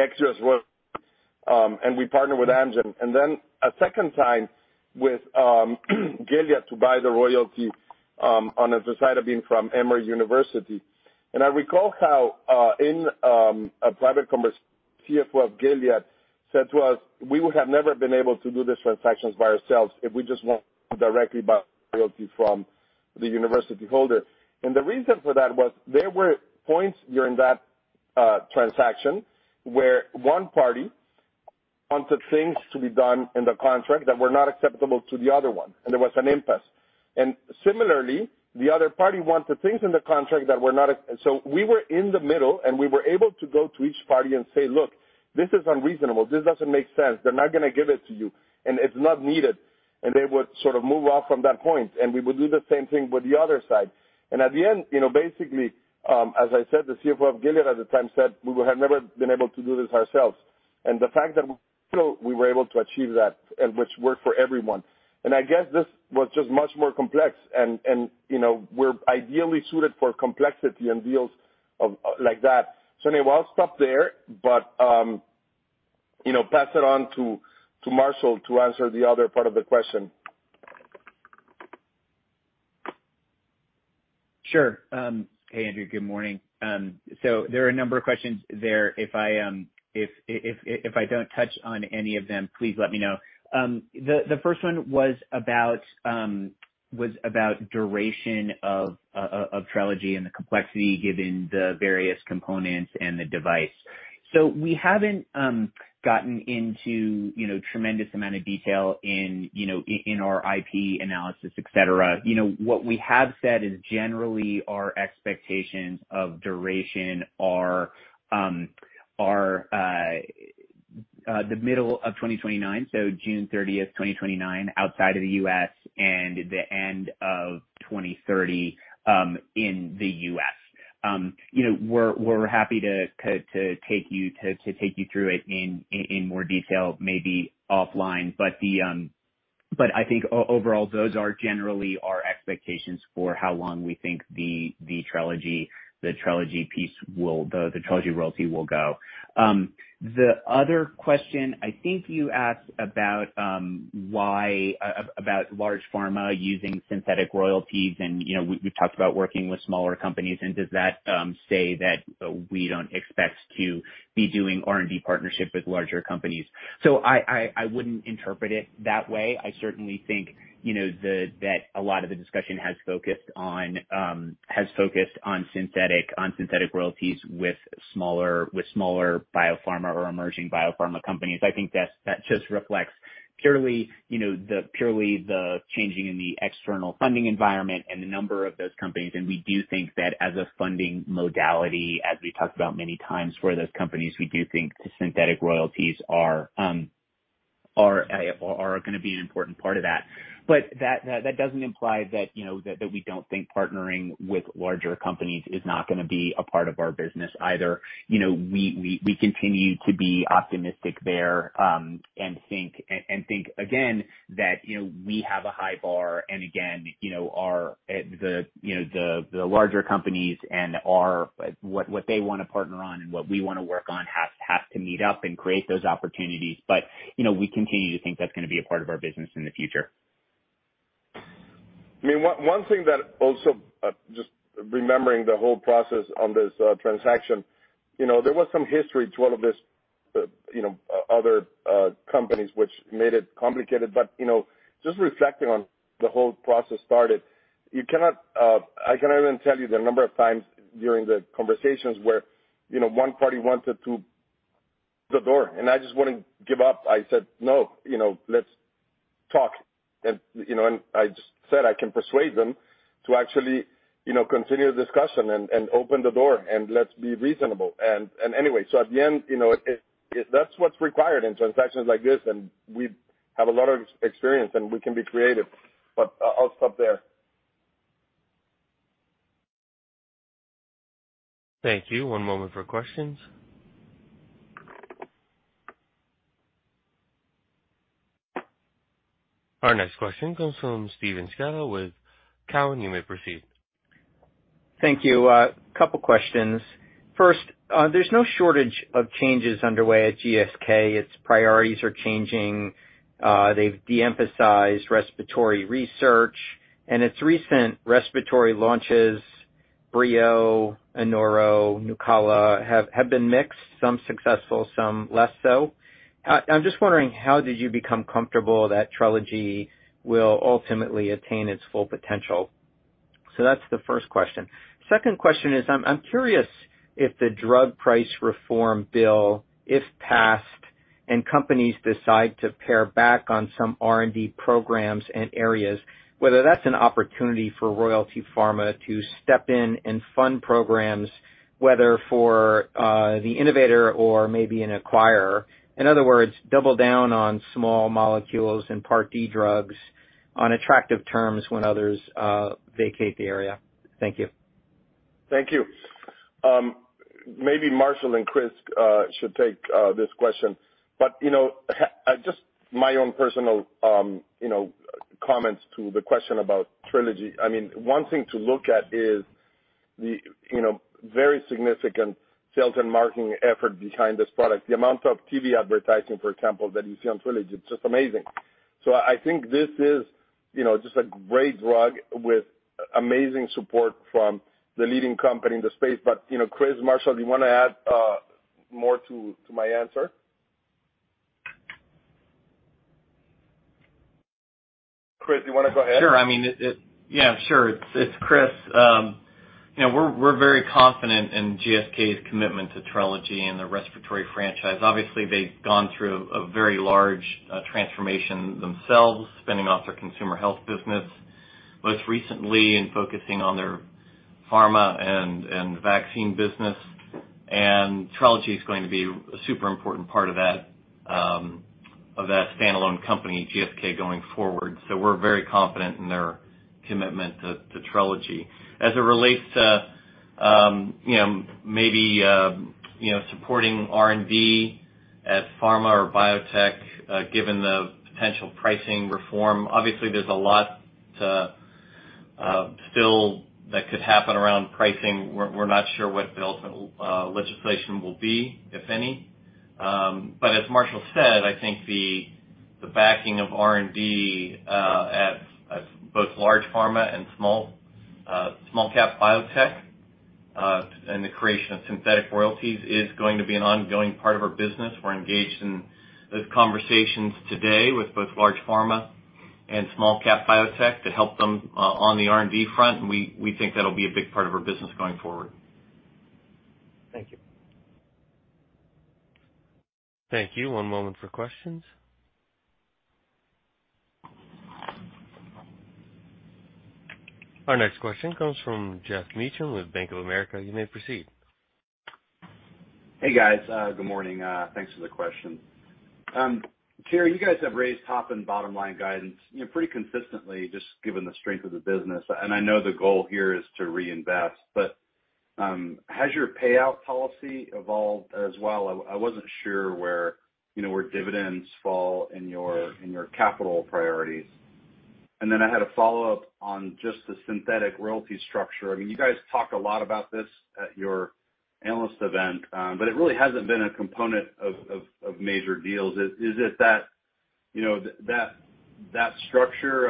ex-U.S. As well. We partnered with Amgen and then a second time with Gilead to buy the royalty on azacitidine from Emory University. I recall how in a private conversation, CFO of Gilead said to us, "We would have never been able to do this transactions by ourselves if we just want to directly buy royalty from the university holder." The reason for that was there were points during that transaction where one party wanted things to be done in the contract that were not acceptable to the other one, and there was an impasse. Similarly, the other party wanted things in the contract that were not acceptable, so we were in the middle, and we were able to go to each party and say, "Look, this is unreasonable. This doesn't make sense. They're not gonna give it to you, and it's not needed." They would sort of move on from that point, and we would do the same thing with the other side. At the end, you know, basically, as I said, the CFO of Gilead at the time said, "We would have never been able to do this ourselves." The fact that we feel we were able to achieve that and which worked for everyone. I guess this was just much more complex and you know, we're ideally suited for complexity and deals like that. Anyway, I'll stop there, but, you know, pass it on to Marshall to answer the other part of the question. Sure. Hey, Andrew. Good morning. There are a number of questions there. If I don't touch on any of them, please let me know. The first one was about duration of Trelegy and the complexity given the various components and the device. We haven't gotten into a tremendous amount of detail in our IP analysis, et cetera. You know, what we have said is generally our expectations of duration are the middle of 2029, so June 30, 2029, outside of the U.S. and the end of 2030 in the U.S. You know, we're happy to take you through it in more detail, maybe offline. I think overall, those are generally our expectations for how long we think the Trelegy piece will, the Trelegy royalty will go. The other question, I think you asked about, why about large pharma using synthetic royalties and, you know, we've talked about working with smaller companies and does that say that we don't expect to be doing R&D partnership with larger companies. I wouldn't interpret it that way. I certainly think, you know, that a lot of the discussion has focused on synthetic royalties with smaller biopharma or emerging biopharma companies. I think that's just reflects purely, you know, the purely the changing in the external funding environment and the number of those companies. We do think that as a funding modality, as we talked about many times for those companies, we do think the synthetic royalties are gonna be an important part of that. That doesn't imply that, you know, that we don't think partnering with larger companies is not gonna be a part of our business either. You know, we continue to be optimistic there, and think again that, you know, we have a high bar and again, you know, the larger companies and what they wanna partner on and what we wanna work on has to meet up and create those opportunities. You know, we continue to think that's gonna be a part of our business in the future. I mean, one thing that also just remembering the whole process on this transaction, you know, there was some history to all of this, you know, other companies which made it complicated. Just reflecting on the whole process, I cannot even tell you the number of times during the conversations where, you know, one party wanted out the door, and I just wouldn't give up. I said, "No, you know, let's talk." You know, I just said I can persuade them to actually, you know, continue the discussion and open the door and let's be reasonable. Anyway, at the end, you know, that's what's required in transactions like this, and we have a lot of experience, and we can be creative. I'll stop there. Thank you. One moment for questions. Our next question comes from Steve Scala with Cowen. You may proceed. Thank you. Couple questions. First, there's no shortage of changes underway at GSK. Its priorities are changing. They've de-emphasized respiratory research and its recent respiratory launches, Breo, Anoro, Nucala, have been mixed, some successful, some less so. I'm just wondering how did you become comfortable that Trelegy will ultimately attain its full potential? That's the first question. Second question is I'm curious if the drug price reform bill, if passed and companies decide to pare back on some R&D programs and areas, whether that's an opportunity for Royalty Pharma to step in and fund programs, whether for the innovator or maybe an acquirer. In other words, double down on small molecules and Part D drugs on attractive terms when others vacate the area. Thank you. Thank you. Maybe Marshall and Chris should take this question, but you know, just my own personal, you know, comments to the question about Trelegy. I mean, one thing to look at is the, you know, very significant sales and marketing effort behind this product. The amount of TV advertising, for example, that you see on Trelegy, it's just amazing. So I think this is, you know, just a great drug with amazing support from the leading company in the space. But, you know, Chris, Marshall, do you wanna add more to my answer? Chris, do you wanna go ahead? Sure. I mean, Yeah, sure. It's Chris. You know, we're very confident in GSK's commitment to Trelegy and the respiratory franchise. Obviously, they've gone through a very large transformation themselves, spinning off their consumer health business, most recently, and focusing on their pharma and vaccine business. Trelegy is going to be a super important part of that standalone company, GSK, going forward. We're very confident in their commitment to Trelegy. As it relates to you know, maybe you know, supporting R&D at pharma or biotech, given the potential pricing reform, obviously there's a lot that still could happen around pricing. We're not sure what the ultimate legislation will be, if any. As Marshall said, I think the backing of R&D at both large pharma and small cap biotech and the creation of synthetic royalties is going to be an ongoing part of our business. We're engaged in those conversations today with both large pharma and small cap biotech to help them on the R&D front. We think that'll be a big part of our business going forward. Thank you. Thank you. One moment for questions. Our next question comes from Geoff Meacham with Bank of America. You may proceed. Hey, guys. Good morning. Thanks for the question. Terry, you guys have raised top and bottom line guidance, you know, pretty consistently, just given the strength of the business, and I know the goal here is to reinvest, but has your payout policy evolved as well? I wasn't sure where, you know, where dividends fall in your, in your capital priorities. Then I had a follow-up on just the synthetic royalty structure. I mean, you guys talked a lot about this at your analyst event, but it really hasn't been a component of major deals. Is it that, you know, that structure?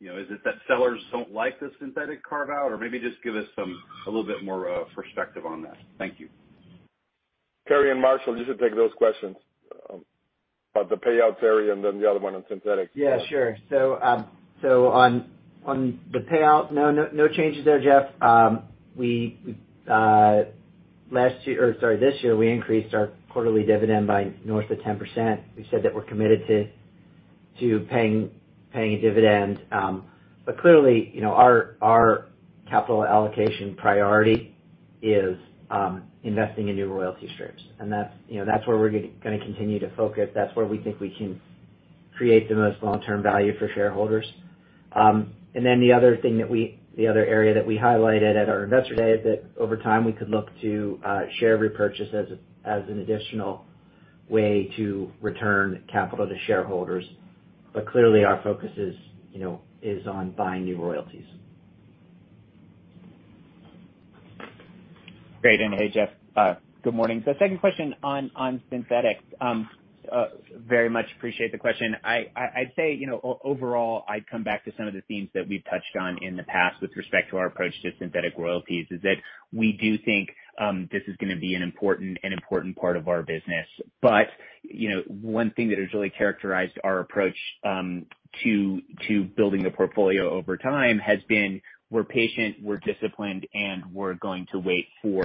You know, is it that sellers don't like the synthetic carve-out? Or maybe just give us some, a little bit more perspective on that. Thank you. Terry and Marshall, you should take those questions. About the payouts, Terry, and then the other one on synthetics. Yeah, sure. On the payout, no changes there, Geoff. This year, we increased our quarterly dividend by north of 10%. We said that we're committed to paying a dividend. Clearly, you know, our capital allocation priority is investing in new royalty streams. That's, you know, that's where we're gonna continue to focus. That's where we think we can create the most long-term value for shareholders. Then the other area that we highlighted at our investor day is that over time, we could look to share repurchase as an additional way to return capital to shareholders. Clearly our focus is, you know, on buying new royalties. Great. Hey, Geoff, good morning. Second question on synthetics. Very much appreciate the question. I'd say, you know, overall, I'd come back to some of the themes that we've touched on in the past with respect to our approach to synthetic royalties, is that we do think this is gonna be an important part of our business. One thing that has really characterized our approach to building the portfolio over time has been we're patient, we're disciplined, and we're gonna wait for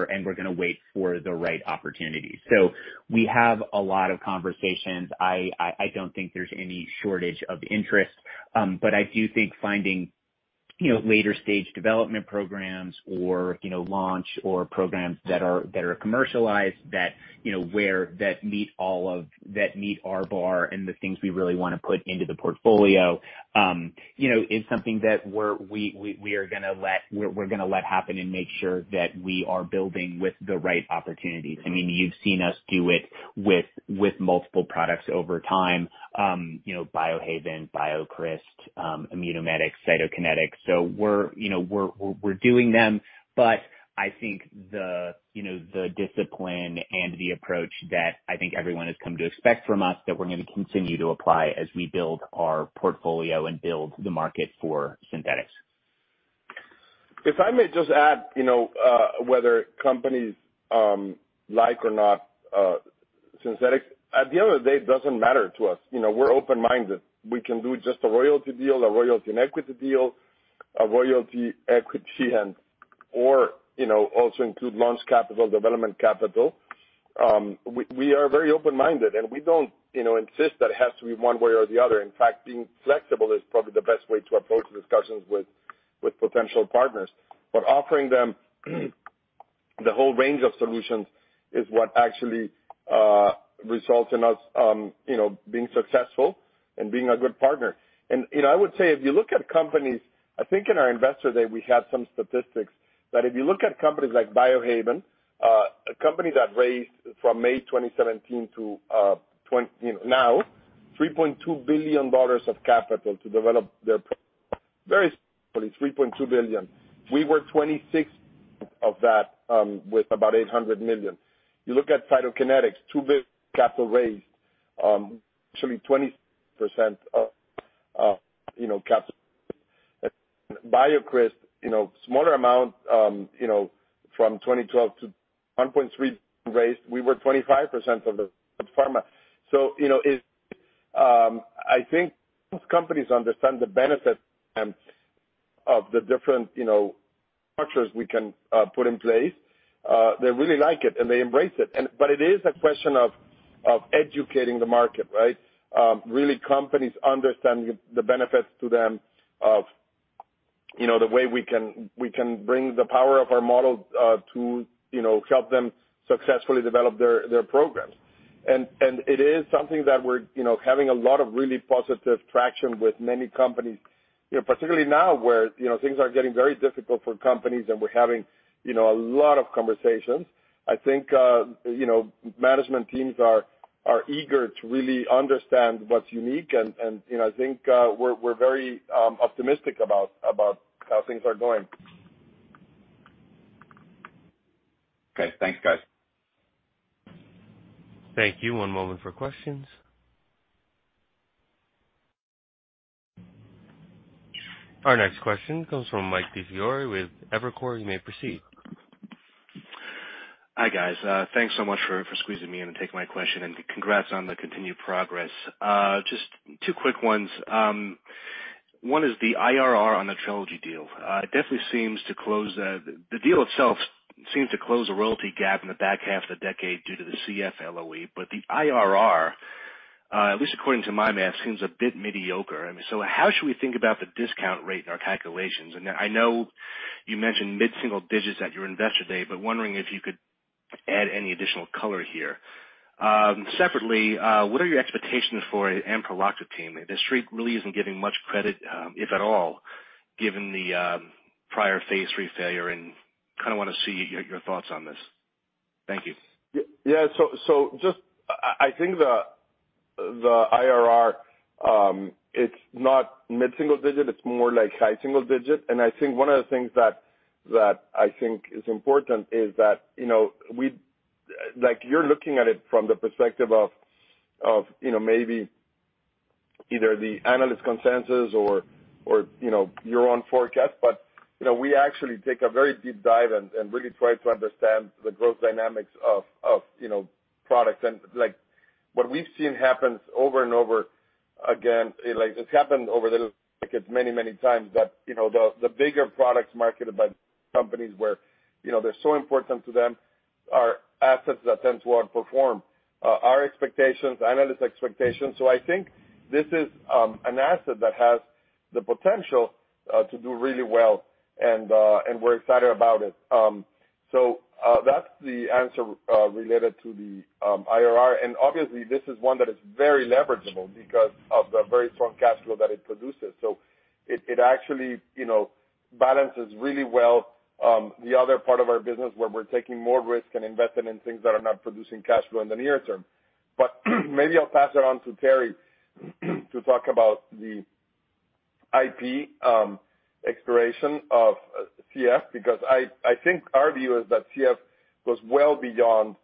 the right opportunities. We have a lot of conversations. I don't think there's any shortage of interest. I do think finding, you know, later stage development programs or, you know, launch or programs that are commercialized, that, you know, where that meet all of our bar and the things we really wanna put into the portfolio, you know, is something that we're gonna let happen and make sure that we are building with the right opportunities. I mean, you've seen us do it with multiple products over time. You know, Biohaven, BioCryst, Immunomedics, Cytokinetics. We're, you know, doing them, but I think the discipline and the approach that I think everyone has come to expect from us, that we're gonna continue to apply as we build our portfolio and build the market for synthetics. If I may just add, you know, whether companies like or not, synthetics, at the end of the day, it doesn't matter to us. You know, we're open-minded. We can do just a royalty deal, a royalty and equity deal, a royalty equity and or, you know, also include launch capital, development capital. We are very open-minded, and we don't, you know, insist that it has to be one way or the other. In fact, being flexible is probably the best way to approach discussions with potential partners. Offering them the whole range of solutions is what actually results in us, you know, being successful and being a good partner. You know, I would say if you look at companies, I think in our investor day we had some statistics that if you look at companies like Biohaven, a company that raised from May 2017 to now $3.2 billion of capital to develop their very $3.2 billion. We were 26% of that, with about $800 million. You look at Cytokinetics, $2 billion capital raised, actually 20% of capital. BioCryst, you know, smaller amount, you know, from 2012 $1.3 billion raised. We were 25% of the pharma. You know, it's, I think most companies understand the benefits of the different, you know, structures we can put in place. They really like it, and they embrace it. It is a question of educating the market, right? Really companies understanding the benefits to them of, you know, the way we can bring the power of our model to, you know, help them successfully develop their programs. It is something that we're, you know, having a lot of really positive traction with many companies, you know, particularly now where, you know, things are getting very difficult for companies and we're having, you know, a lot of conversations. I think, you know, management teams are eager to really understand what's unique and, you know, I think, we're very optimistic about how things are going. Okay. Thanks, guys. Thank you. One moment for questions. Our next question comes from Mike DiFiore with Evercore. You may proceed. Hi, guys. Thanks so much for squeezing me in and taking my question, and congrats on the continued progress. Just two quick ones. One is the IRR on the Trelegy deal. It definitely seems to close a royalty gap in the back half of the decade due to the CF LOE. But the IRR, at least according to my math, seems a bit mediocre. I mean, how should we think about the discount rate in our calculations? I know you mentioned mid-single digits at your investor day, but wondering if you could add any additional color here. Separately, what are your expectations for ampreloxetine? The Street really isn't giving much credit, if at all, given the prior phase 3 failure, and kind of wanna see your thoughts on this. Thank you. I think the IRR it's not mid-single digit. It's more like high single digit. I think one of the things that I think is important is that, you know, like you're looking at it from the perspective of, you know, maybe either the analyst consensus or, you know, your own forecast. You know, we actually take a very deep dive and really try to understand the growth dynamics of, you know, products. Like what we've seen happens over and over again, like it's happened over the many, many times that, you know, the bigger products marketed by companies where, you know, they're so important to them are assets that tend to outperform our expectations, analyst expectations. I think this is an asset that has the potential to do really well and we're excited about it. That's the answer related to the IRR. Obviously this is one that is very leverageable because of the very strong cash flow that it produces. It actually you know balances really well the other part of our business where we're taking more risk and investing in things that are not producing cash flow in the near term. Maybe I'll pass it on to Terry to talk about the IP expiration of CF because I think our view is that CF goes well beyond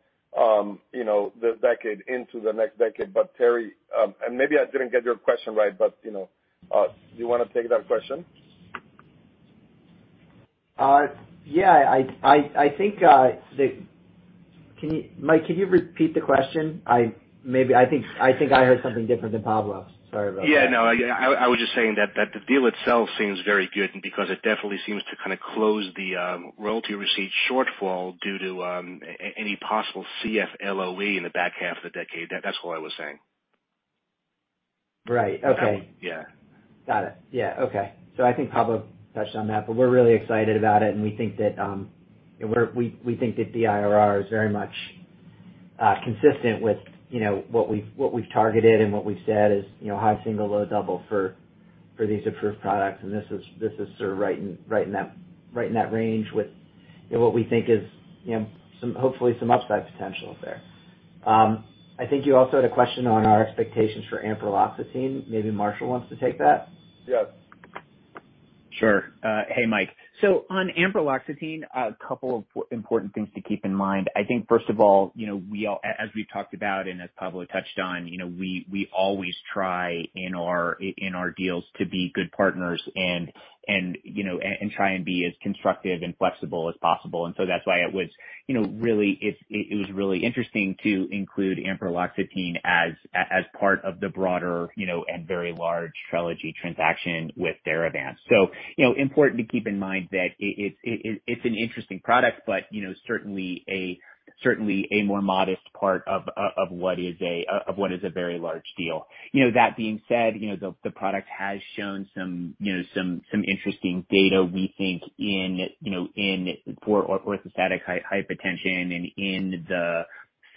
you know the decade into the next decade. Terry and maybe I didn't get your question right but you know do you wanna take that question? Can you, Mike, can you repeat the question? I think I heard something different than Pablo. Sorry about that. Yeah, no, I was just saying that the deal itself seems very good because it definitely seems to kinda close the royalty receipt shortfall due to any possible CF LOE in the back half of the decade. That's all I was saying. Right. Okay. Yeah. Got it. Yeah. Okay. I think Pablo touched on that, but we're really excited about it, and we think that, you know, we think that the IRR is very much consistent with, you know, what we've targeted and what we've said is, you know, high single, low double for these approved products. This is sort of right in that range with, you know, what we think is, you know, hopefully some upside potential there. I think you also had a question on our expectations for ampreloxetine. Maybe Marshall wants to take that. Yeah. Sure. Hey, Mike. On ampreloxetine, a couple of important things to keep in mind. I think first of all, you know, we all as we've talked about and as Pablo touched on, you know, we always try in our deals to be good partners and, you know, and try and be as constructive and flexible as possible. That's why it was, you know, really it was really interesting to include ampreloxetine as part of the broader, you know, and very large Trelegy transaction with Theravance. You know, important to keep in mind that it's an interesting product, but, you know, certainly a more modest part of what is a very large deal. You know, that being said, you know, the product has shown some interesting data, we think, in orthostatic hypotension and in the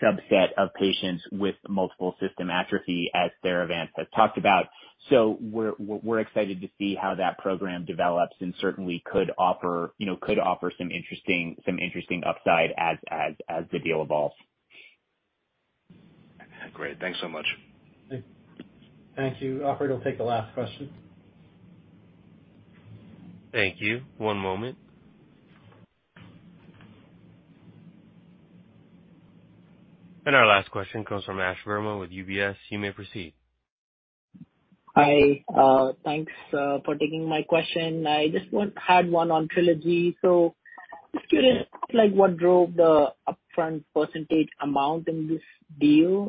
subset of patients with multiple system atrophy as Theravance has talked about. We're excited to see how that program develops and certainly could offer some interesting upside as the deal evolves. Great. Thanks so much. Thank you. Operator, we'll take the last question. Thank you. One moment. Our last question comes from Ashwani Verma with UBS. You may proceed. Hi, thanks for taking my question. I just had one on Trelegy. Just curious, like what drove the upfront percentage amount in this deal?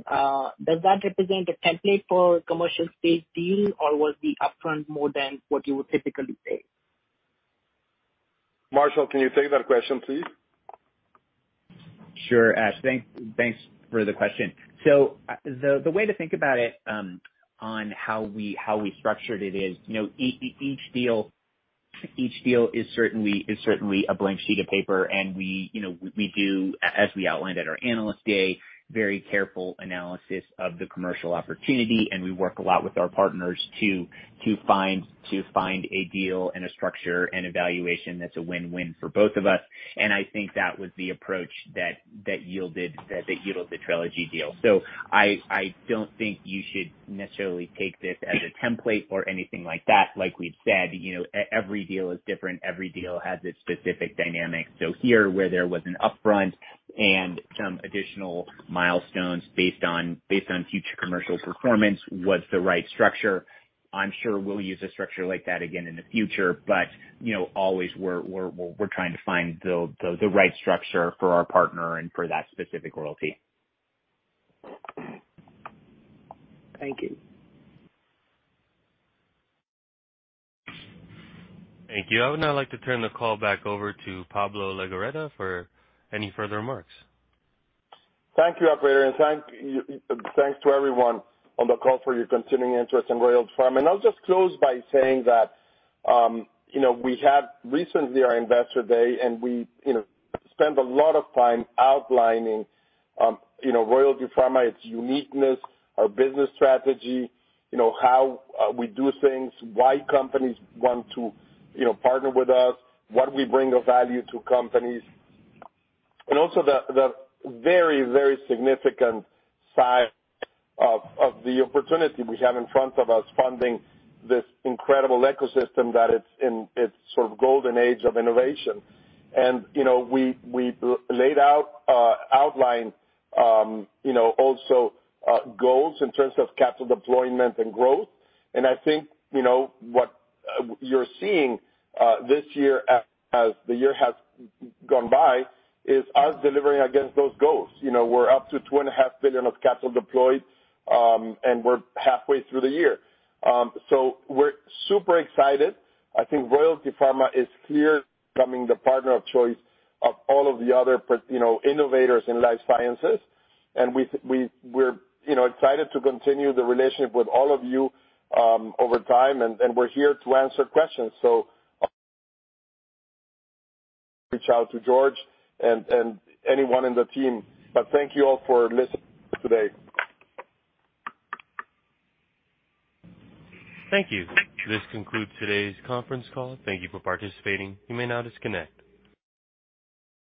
Does that represent a template for commercial stage deal, or was the upfront more than what you would typically pay? Marshall, can you take that question, please? Sure, Ash, thanks for the question. The way to think about it on how we structured it is, you know, each deal is certainly a blank sheet of paper and we, you know, we do, as we outlined at our Analyst Day, very careful analysis of the commercial opportunity, and we work a lot with our partners to find a deal and a structure and a valuation that's a win-win for both of us. I think that was the approach that yielded the Trelegy deal. I don't think you should necessarily take this as a template or anything like that. Like we've said, you know, every deal is different, every deal has its specific dynamics. Here, where there was an upfront and some additional milestones based on future commercial performance, was the right structure. I'm sure we'll use a structure like that again in the future but, you know, always we're trying to find the right structure for our partner and for that specific royalty. Thank you. Thank you. I would now like to turn the call back over to Pablo Legorreta for any further remarks. Thank you, operator. Thanks to everyone on the call for your continuing interest in Royalty Pharma. I'll just close by saying that, you know, we had recently our Investor Day, and we, you know, spent a lot of time outlining, you know, Royalty Pharma, its uniqueness, our business strategy, you know, how, we do things, why companies want to, you know, partner with us, what we bring of value to companies. Also the very significant size of the opportunity we have in front of us funding this incredible ecosystem that it's in its sort of golden age of innovation. You know, we laid out, outlined, you know, also goals in terms of capital deployment and growth. I think, you know, what you're seeing this year as the year has gone by, is us delivering against those goals. You know, we're up to $2.5 billion of capital deployed, and we're halfway through the year. We're super excited. I think Royalty Pharma is clearly becoming the partner of choice of all of the other peers, you know, innovators in life sciences. We're, you know, excited to continue the relationship with all of you over time, and we're here to answer questions. Reach out to George and anyone in the team. Thank you all for listening today. Thank you. This concludes today's conference call. Thank you for participating. You may now disconnect.